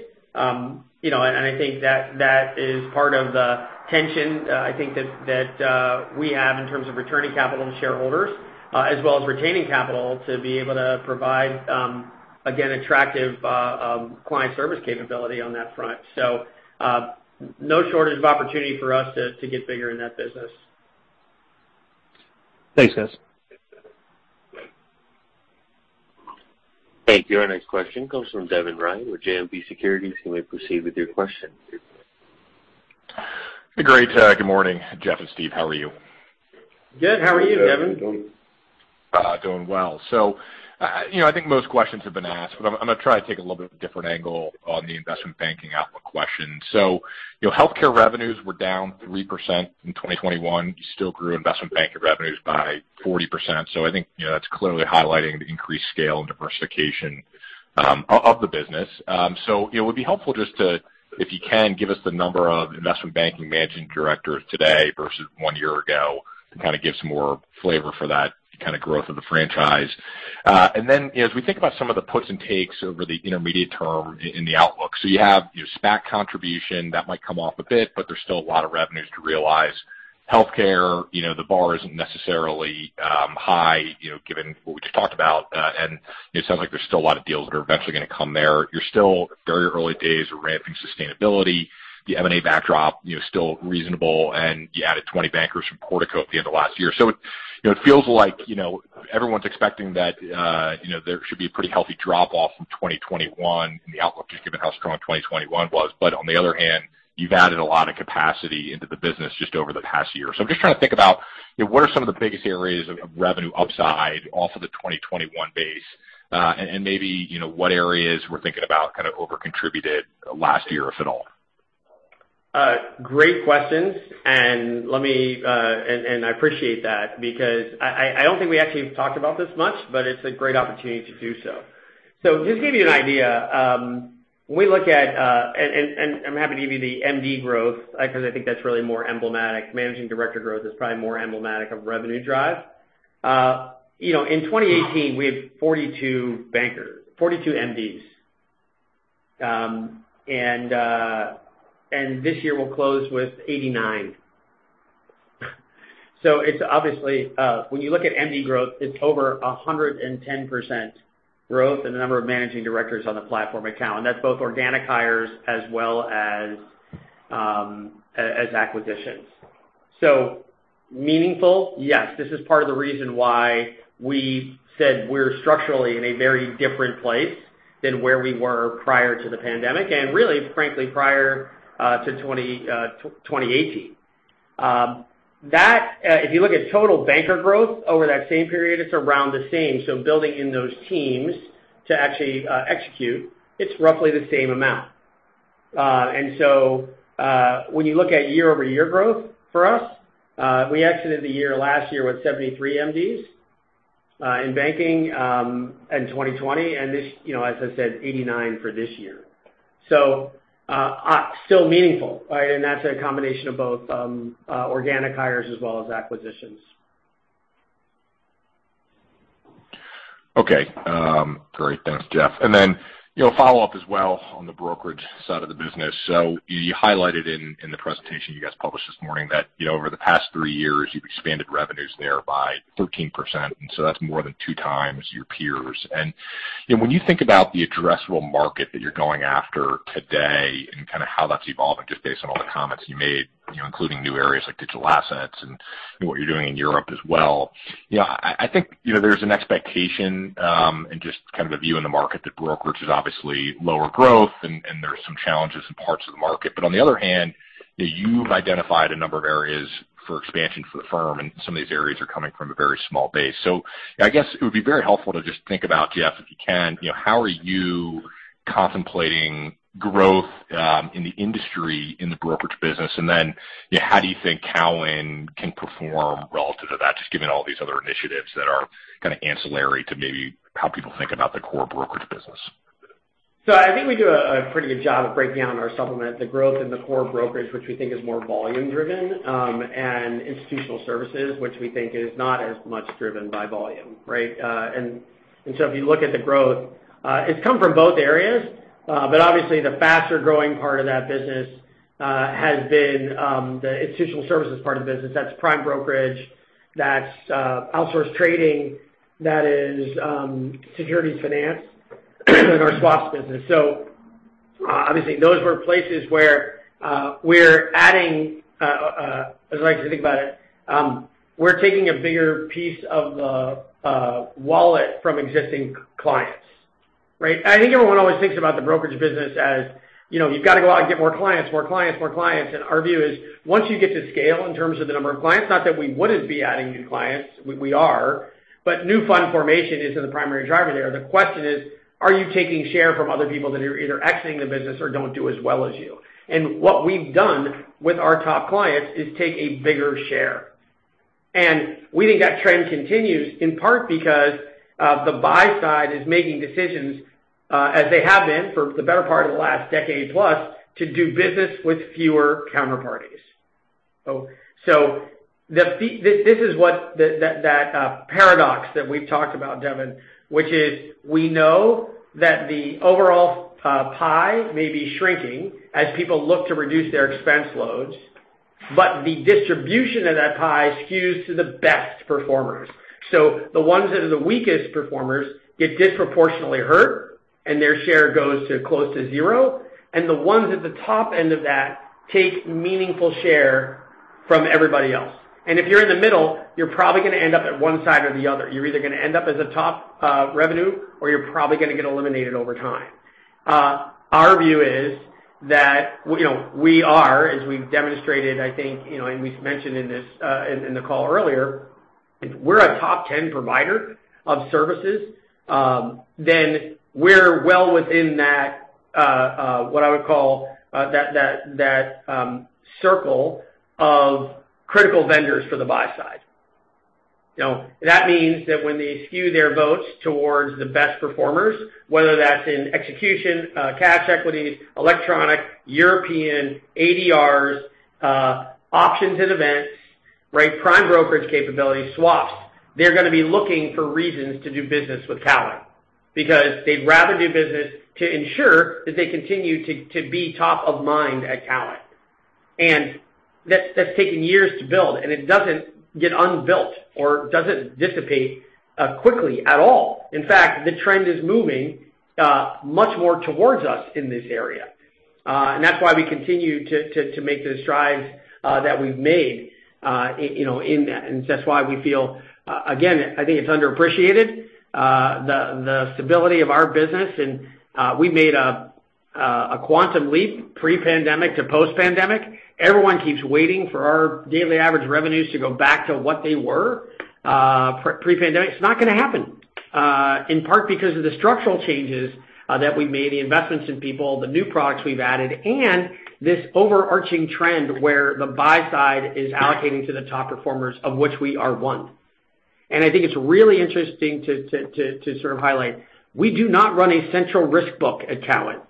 You know, I think that is part of the tension. I think that we have in terms of returning capital to shareholders, as well as retaining capital to be able to provide again, attractive client service capability on that front. No shortage of opportunity for us to get bigger in that business. Thanks, guys. Thank you. Our next question comes from Devin Ryan with JMP Securities. You may proceed with your question. Great. Good morning, Jeff and Steve. How are you? Good. How are you, Devin? Good. How are you doing? Doing well. You know, I think most questions have been asked, but I'm gonna try to take a little bit of a different angle on the investment banking outlook question. You know, healthcare revenues were down 3% in 2021. You still grew investment banking revenues by 40%. I think, you know, that's clearly highlighting the increased scale and diversification of the business. It would be helpful just to, if you can, give us the number of investment banking managing directors today versus one year ago, to kinda give some more flavor for that kinda growth of the franchise. And then as we think about some of the puts and takes over the intermediate term in the outlook. You have your SPAC contribution that might come off a bit, but there's still a lot of revenues to realize. Healthcare, you know, the bar isn't necessarily high, you know, given what we just talked about. It sounds like there's still a lot of deals that are eventually gonna come there. You're still very early days of ramping sustainability. The M&A backdrop, you know, still reasonable, and you added 20 bankers from Portico at the end of last year. It feels like, you know, everyone's expecting that, you know, there should be a pretty healthy drop off from 2021 in the outlook, just given how strong 2021 was. On the other hand, you've added a lot of capacity into the business just over the past year. I'm just trying to think about, you know, what are some of the biggest areas of revenue upside off of the 2021 base. Maybe, you know, what areas we're thinking about kind of over contributed last year, if at all. Great questions. I appreciate that because I don't think we actually have talked about this much, but it's a great opportunity to do so. Just to give you an idea, when we look at, I'm happy to give you the MD growth, 'cause I think that's really more emblematic. Managing Director growth is probably more emblematic of revenue driver. You know, in 2018 we had 42 bankers, 42 MDs. This year we'll close with 89. It's obviously when you look at MD growth, it's over 110% growth in the number of managing directors on the platform account, and that's both organic hires as well as acquisitions. Meaningful, yes. This is part of the reason why we said we're structurally in a very different place than where we were prior to the pandemic and really, frankly, prior to 2018. That if you look at total banker growth over that same period, it's around the same. Building in those teams to actually execute, it's roughly the same amount. When you look at year-over-year growth for us, we exited the year last year with 73 MDs in banking in 2020, and this, you know, as I said, 89 for this year. Still meaningful, right? That's a combination of both organic hires as well as acquisitions. Okay. Great. Thanks, Jeff. Then, you know, a follow-up as well on the brokerage side of the business. You highlighted in the presentation you guys published this morning that, you know, over the past three years you've expanded revenues there by 13%, and so that's more than 2x your peers. When you think about the addressable market that you're going after today and kind of how that's evolving, just based on all the comments you made, you know, including new areas like digital assets and what you're doing in Europe as well, you know, I think, you know, there's an expectation and just kind of a view in the market that brokerage is obviously lower growth and there are some challenges in parts of the market. On the other hand, you know, you've identified a number of areas for expansion for the firm, and some of these areas are coming from a very small base. I guess it would be very helpful to just think about, Jeff, if you can, you know, how are you contemplating growth in the industry, in the brokerage business? And then, you know, how do you think Cowen can perform relative to that, just given all these other initiatives that are kinda ancillary to maybe how people think about the core brokerage business? I think we do a pretty good job of breaking down our supplement, the growth in the core brokerage, which we think is more volume driven, and institutional services, which we think is not as much driven by volume, right? If you look at the growth, it's come from both areas, but obviously the faster growing part of that business has been the institutional services part of the business. That's prime brokerage, that's outsourced trading, that is securities finance and our swaps business. Obviously, those were places where we're adding as I like to think about it, we're taking a bigger piece of the wallet from existing clients, right? I think everyone always thinks about the brokerage business as, you know, you've gotta go out and get more clients, more clients, more clients. Our view is, once you get to scale in terms of the number of clients, not that we wouldn't be adding new clients, we are, but new fund formation isn't the primary driver there. The question is, are you taking share from other people that are either exiting the business or don't do as well as you? What we've done with our top clients is take a bigger share. We think that trend continues, in part because the buy side is making decisions, as they have been for the better part of the last decade plus, to do business with fewer counterparties. This is what that paradox that we've talked about, Devin, which is we know that the overall pie may be shrinking as people look to reduce their expense loads, but the distribution of that pie skews to the best performers. The ones that are the weakest performers get disproportionately hurt, and their share goes close to zero, and the ones at the top end of that take meaningful share from everybody else. If you're in the middle, you're probably gonna end up at one side or the other. You're either gonna end up as a top revenue, or you're probably gonna get eliminated over time. Our view is that, you know, we are, as we've demonstrated, I think, you know, and we've mentioned in this, in the call earlier, if we're a top 10 provider of services, then we're well within that, what I would call, that circle of critical vendors for the buy side. You know, that means that when they skew their votes towards the best performers, whether that's in execution, cash equities, electronic, European, ADRs, options and events, right? Prime brokerage capabilities, swaps, they're gonna be looking for reasons to do business with Cowen because they'd rather do business to ensure that they continue to be top of mind at Cowen. That's taken years to build, and it doesn't get unbuilt or doesn't dissipate quickly at all. In fact, the trend is moving much more towards us in this area. That's why we continue to make the strides that we've made, you know, in that. That's why we feel, again, I think it's underappreciated, the stability of our business and we made a quantum leap pre-pandemic to post-pandemic. Everyone keeps waiting for our daily average revenues to go back to what they were pre-pandemic. It's not gonna happen. In part because of the structural changes that we made, the investments in people, the new products we've added, and this overarching trend where the buy side is allocating to the top performers, of which we are one. I think it's really interesting to sort of highlight, we do not run a central risk book at Cowen.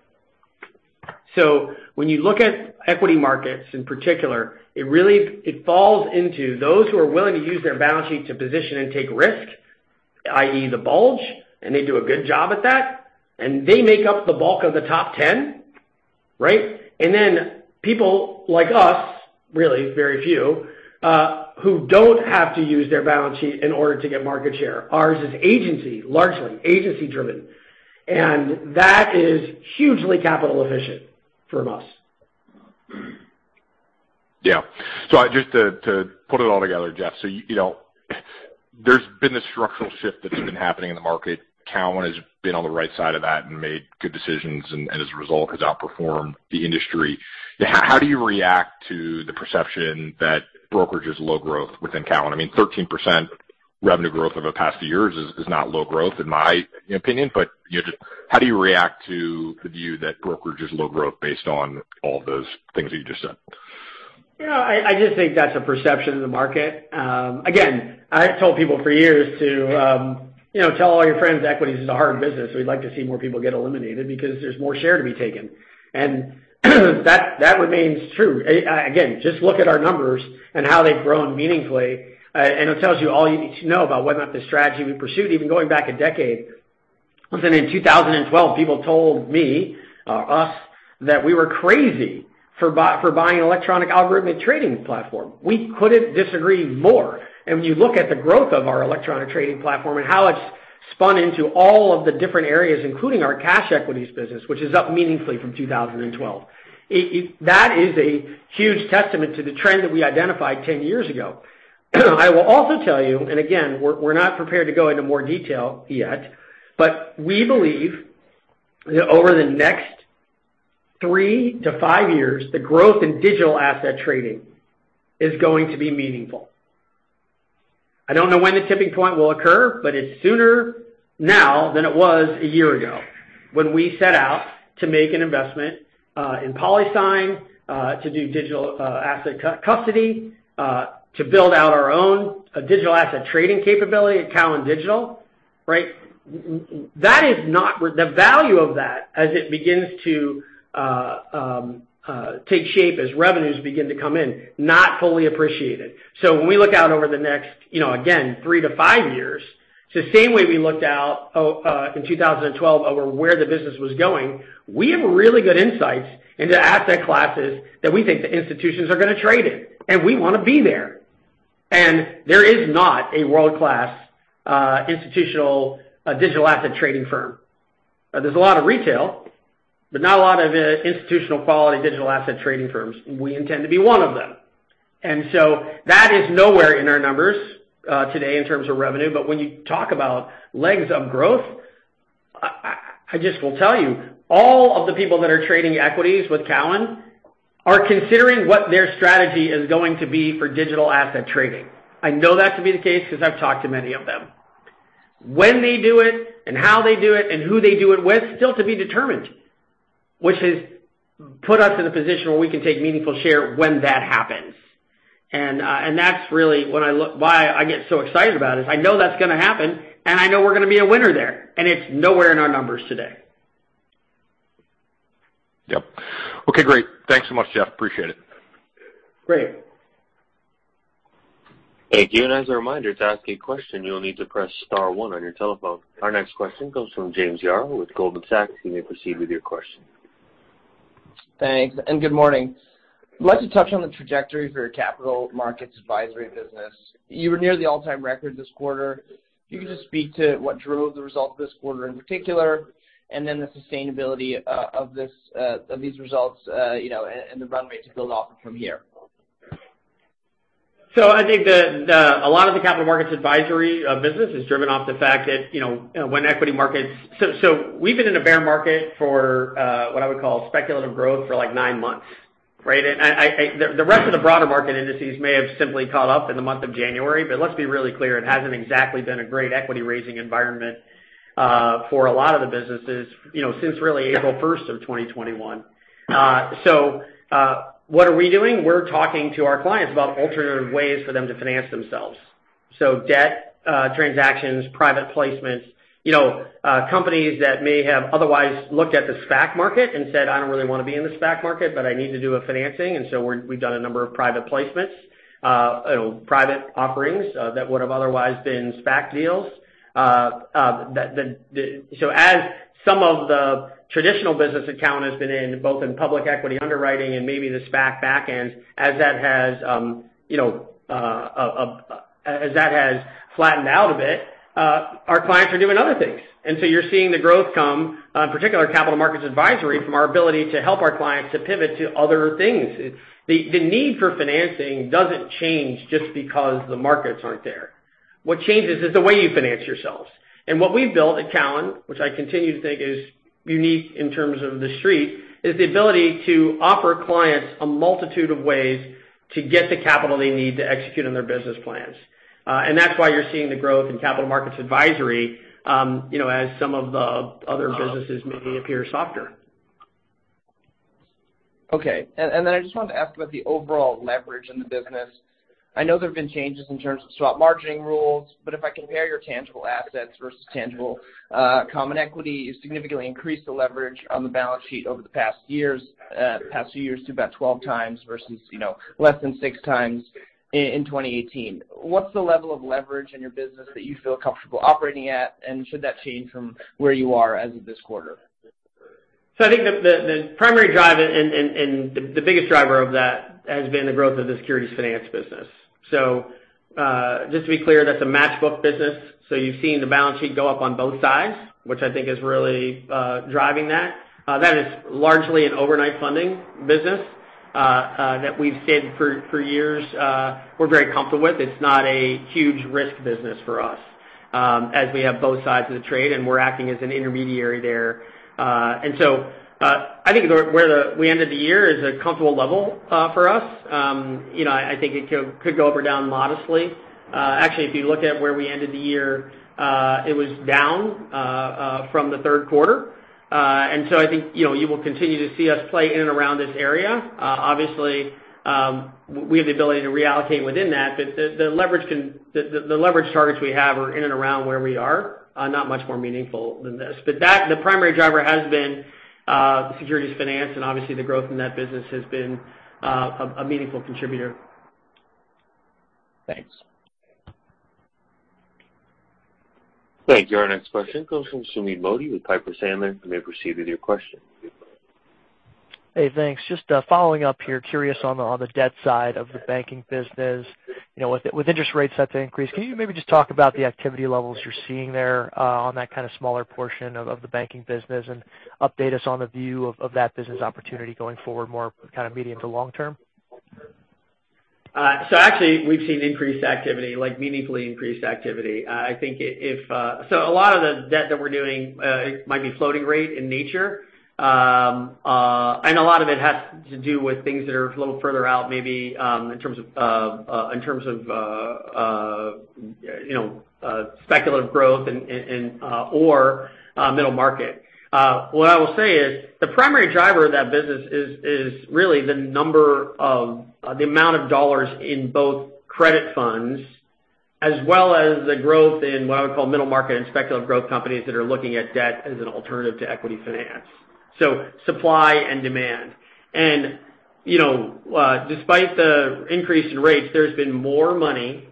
When you look at equity markets in particular, it really falls into those who are willing to use their balance sheet to position and take risk, i.e. the bulge, and they do a good job at that, and they make up the bulk of the top ten, right? People like us, really very few, who don't have to use their balance sheet in order to get market share. Ours is agency, largely agency-driven, and that is hugely capital efficient from us. Yeah. Just to put it all together, Jeff, you know, there's been this structural shift that's been happening in the market. Cowen has been on the right side of that and made good decisions, and as a result, has outperformed the industry. How do you react to the perception that brokerage is low growth within Cowen? I mean, 13% revenue growth over the past few years is not low growth, in my opinion. You know, just how do you react to the view that brokerage is low growth based on all those things that you just said? You know, I just think that's a perception of the market. Again, I told people for years to, you know, tell all your friends equities is a hard business. We'd like to see more people get eliminated because there's more share to be taken. That remains true. Again, just look at our numbers and how they've grown meaningfully, and it tells you all you need to know about whether or not the strategy we pursued, even going back a decade. Listen, in 2012, people told me, or us, that we were crazy for buying electronic algorithmic trading platform. We couldn't disagree more. When you look at the growth of our electronic trading platform and how it's spun into all of the different areas, including our cash equities business, which is up meaningfully from 2012, it that is a huge testament to the trend that we identified 10 years ago. I will also tell you, and again, we're not prepared to go into more detail yet, but we believe that over the next three to five years, the growth in digital asset trading is going to be meaningful. I don't know when the tipping point will occur, but it's sooner now than it was a year ago when we set out to make an investment in PolySign to do digital asset custody to build out our own digital asset trading capability at Cowen Digital, right? That is not the value of that as it begins to take shape as revenues begin to come in, not fully appreciated. When we look out over the next, you know, again, three to five years, the same way we looked out in 2012 over where the business was going, we have really good insights into asset classes that we think the institutions are gonna trade in, and we wanna be there. There is not a world-class institutional digital asset trading firm. There's a lot of retail, but not a lot of institutional quality digital asset trading firms. We intend to be one of them. That is nowhere in our numbers today in terms of revenue. When you talk about legs of growth, I just will tell you, all of the people that are trading equities with Cowen are considering what their strategy is going to be for digital asset trading. I know that to be the case because I've talked to many of them. When they do it, and how they do it, and who they do it with, still to be determined, which has put us in a position where we can take meaningful share when that happens. That's really what, why I get so excited about, is I know that's gonna happen, and I know we're gonna be a winner there, and it's nowhere in our numbers today. Yep. Okay, great. Thanks so much, Jeff. Appreciate it. Great. Hey, again, as a reminder to ask a question, you'll need to press star one on your telephone. Our next question comes from James Yaro with Goldman Sachs. You may proceed with your question. Thanks, good morning. I'd like to touch on the trajectory for your capital markets advisory business. You were near the all-time record this quarter. If you could just speak to what drove the results this quarter in particular, and then the sustainability, of this, of these results, you know, and the runway to build off from here. I think a lot of the capital markets advisory business is driven off the fact that, you know, when equity markets, we've been in a bear market for what I would call speculative growth for, like, nine months, right? The rest of the broader market indices may have simply caught up in the month of January, but let's be really clear, it hasn't exactly been a great equity-raising environment for a lot of the businesses, you know, since really April 1st, 2021. What are we doing? We're talking to our clients about alternative ways for them to finance themselves. Debt transactions, private placements. You know, companies that may have otherwise looked at the SPAC market and said, "I don't really wanna be in the SPAC market, but I need to do a financing." We've done a number of private placements, you know, private offerings, that would've otherwise been SPAC deals. As some of the traditional business account has been in, both in public equity underwriting and maybe the SPAC back ends, as that has flattened out a bit, our clients are doing other things. You're seeing the growth come, in particular capital markets advisory, from our ability to help our clients to pivot to other things. The need for financing doesn't change just because the markets aren't there. What changes is the way you finance yourselves. What we've built at Cowen, which I continue to think is unique in terms of the street, is the ability to offer clients a multitude of ways to get the capital they need to execute on their business plans. That's why you're seeing the growth in capital markets advisory, you know, as some of the other businesses maybe appear softer. I just wanted to ask about the overall leverage in the business. I know there have been changes in terms of swap margining rules, but if I compare your tangible assets versus tangible common equity, you significantly increased the leverage on the balance sheet over the past few years to about 12x versus, you know, less than 6x in 2018. What's the level of leverage in your business that you feel comfortable operating at, and should that change from where you are as of this quarter? I think the primary driver and the biggest driver of that has been the growth of the securities finance business. Just to be clear, that's a matched book business, so you've seen the balance sheet go up on both sides, which I think is really driving that. That is largely an overnight funding business that we've said for years we're very comfortable with. It's not a huge risk business for us, as we have both sides of the trade, and we're acting as an intermediary there. I think where we ended the year is a comfortable level for us. You know, I think it could go up or down modestly. Actually, if you look at where we ended the year, it was down from the third quarter. I think, you know, you will continue to see us play in and around this area. Obviously, we have the ability to reallocate within that, but the leverage targets we have are in and around where we are, not much more meaningful than this. That, the primary driver has been the securities finance and obviously the growth in that business has been a meaningful contributor. Thanks. Thank you. Our next question comes from Sumeet Mody with Piper Sandler. You may proceed with your question. Hey, thanks. Just following up here, curious on the debt side of the banking business. You know, with interest rates set to increase, can you maybe just talk about the activity levels you're seeing there on that kinda smaller portion of the banking business and update us on the view of that business opportunity going forward, more kind of medium to long term? Actually we've seen increased activity, like meaningfully increased activity. A lot of the debt that we're doing, it might be floating rate in nature. A lot of it has to do with things that are a little further out maybe, in terms of you know speculative growth and or middle market. What I will say is the primary driver of that business is really the amount of dollars in both credit funds as well as the growth in what I would call middle market and speculative growth companies that are looking at debt as an alternative to equity finance. Supply and demand. You know, despite the increase in rates, there's been more money,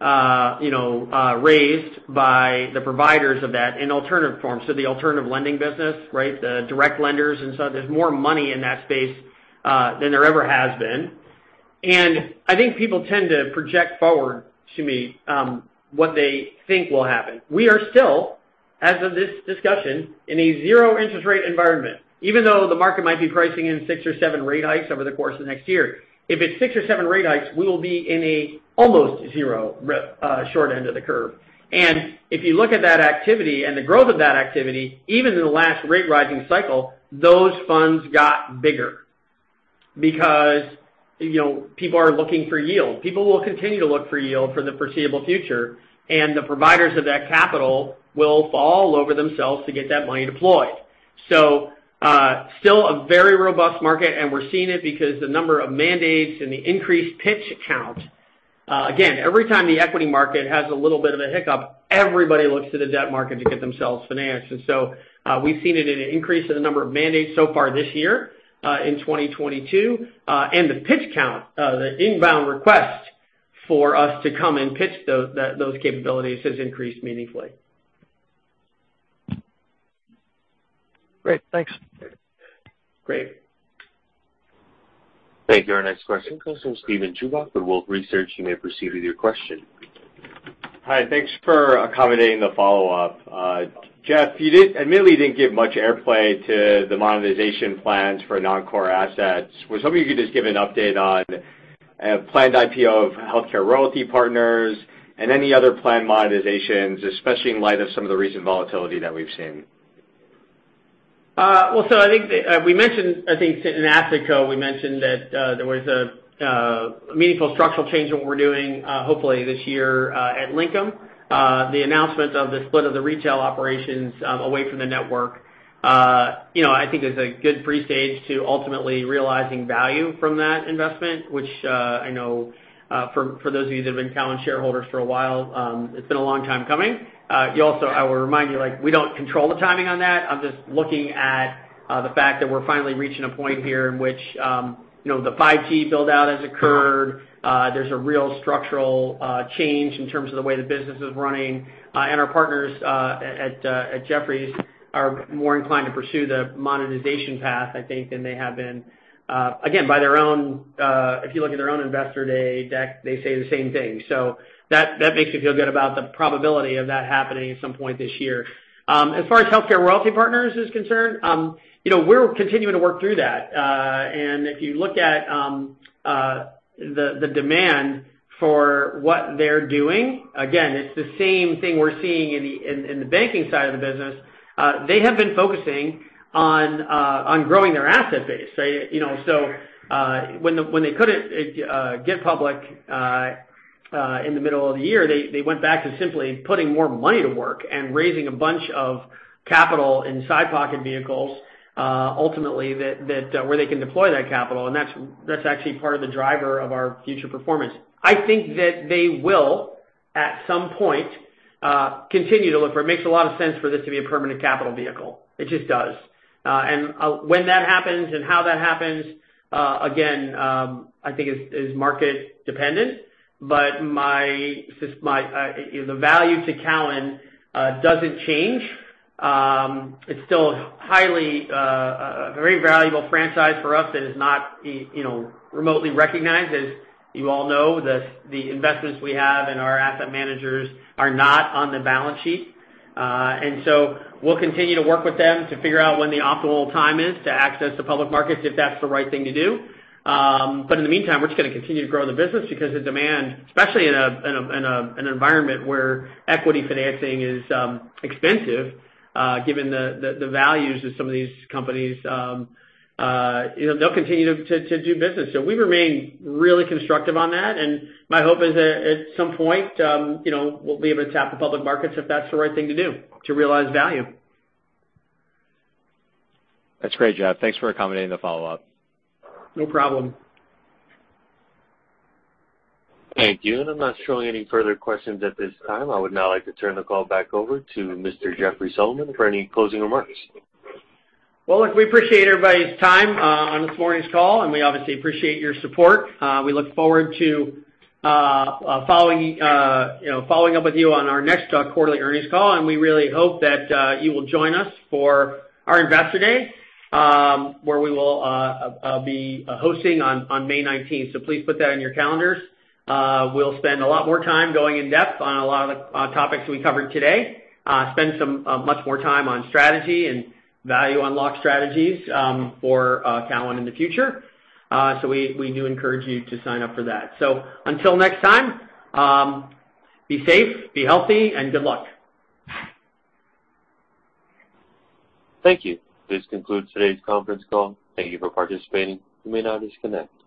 you know, raised by the providers of that in alternative form. The alternative lending business, right? The direct lenders and so on. There's more money in that space than there ever has been. I think people tend to project forward to me what they think will happen. We are still, as of this discussion, in a zero interest rate environment, even though the market might be pricing in six or seven rate hikes over the course of next year. If it's six or seven rate hikes, we will be in an almost zero short end of the curve. If you look at that activity and the growth of that activity, even in the last rate rising cycle, those funds got bigger because, you know, people are looking for yield. People will continue to look for yield for the foreseeable future, and the providers of that capital will fall all over themselves to get that money deployed. Still a very robust market, and we're seeing it because the number of mandates and the increased pitch count. Again, every time the equity market has a little bit of a hiccup, everybody looks to the debt market to get themselves financed. We've seen it in an increase in the number of mandates so far this year, in 2022. The pitch count, the inbound request for us to come and pitch those capabilities has increased meaningfully. Great. Thanks. Great. Thank you. Our next question comes from Steven Chubak with Wolfe Research. You may proceed with your question. Hi. Thanks for accommodating the follow-up. Jeff, you, admittedly, didn't give much airplay to the monetization plans for non-core assets. Was hoping you could just give an update on planned IPO of HealthCare Royalty Partners and any other planned monetizations, especially in light of some of the recent volatility that we've seen. Well, I think we mentioned earlier that there was a meaningful structural change in what we're doing, hopefully this year, at Linkem. The announcement of the split of the retail operations away from the network, you know, I think is a good pre-stage to ultimately realizing value from that investment, which I know for those of you that have been Cowen shareholders for a while, it's been a long time coming. I will remind you, like, we don't control the timing on that. I'm just looking at the fact that we're finally reaching a point here in which, you know, the 5G build out has occurred. There's a real structural change in terms of the way the business is running. Our partners at Jefferies are more inclined to pursue the monetization path, I think, than they have been. Again, by their own, if you look at their own Investor Day deck, they say the same thing. That makes me feel good about the probability of that happening at some point this year. As far as HealthCare Royalty Partners is concerned, you know, we're continuing to work through that. If you look at the demand for what they're doing, again, it's the same thing we're seeing in the banking side of the business. They have been focusing on growing their asset base. You know, when they couldn't go public in the middle of the year, they went back to simply putting more money to work and raising a bunch of capital in side pocket vehicles, ultimately that's where they can deploy that capital, and that's actually part of the driver of our future performance. I think that they will at some point continue to look for it. It makes a lot of sense for this to be a Permanent Capital Vehicle. It just does. When that happens and how that happens, again, I think it is market dependent. But my sense is the value to Cowen doesn't change. It's still highly very valuable franchise for us that is not, you know, remotely recognized. As you all know, the investments we have in our asset managers are not on the balance sheet. We'll continue to work with them to figure out when the optimal time is to access the public markets, if that's the right thing to do. In the meantime, we're just gonna continue to grow the business because the demand, especially in an environment where equity financing is expensive, given the values of some of these companies, you know, they'll continue to do business. We remain really constructive on that. My hope is that at some point, you know, we'll be able to tap the public markets if that's the right thing to do to realize value. That's great, Jeff. Thanks for accommodating the follow-up. No problem. Thank you. I'm not showing any further questions at this time. I would now like to turn the call back over to Mr. Jeffrey Solomon for any closing remarks. Well, look, we appreciate everybody's time on this morning's call, and we obviously appreciate your support. We look forward to you know following up with you on our next quarterly earnings call, and we really hope that you will join us for our Investor Day, where we will be hosting on May 19th. Please put that in your calendars. We'll spend a lot more time going in-depth on a lot of topics we covered today, spend some much more time on strategy and value unlock strategies for Cowen in the future. We do encourage you to sign up for that. Until next time, be safe, be healthy, and good luck. Thank you. This concludes today's conference call. Thank you for participating. You may now disconnect.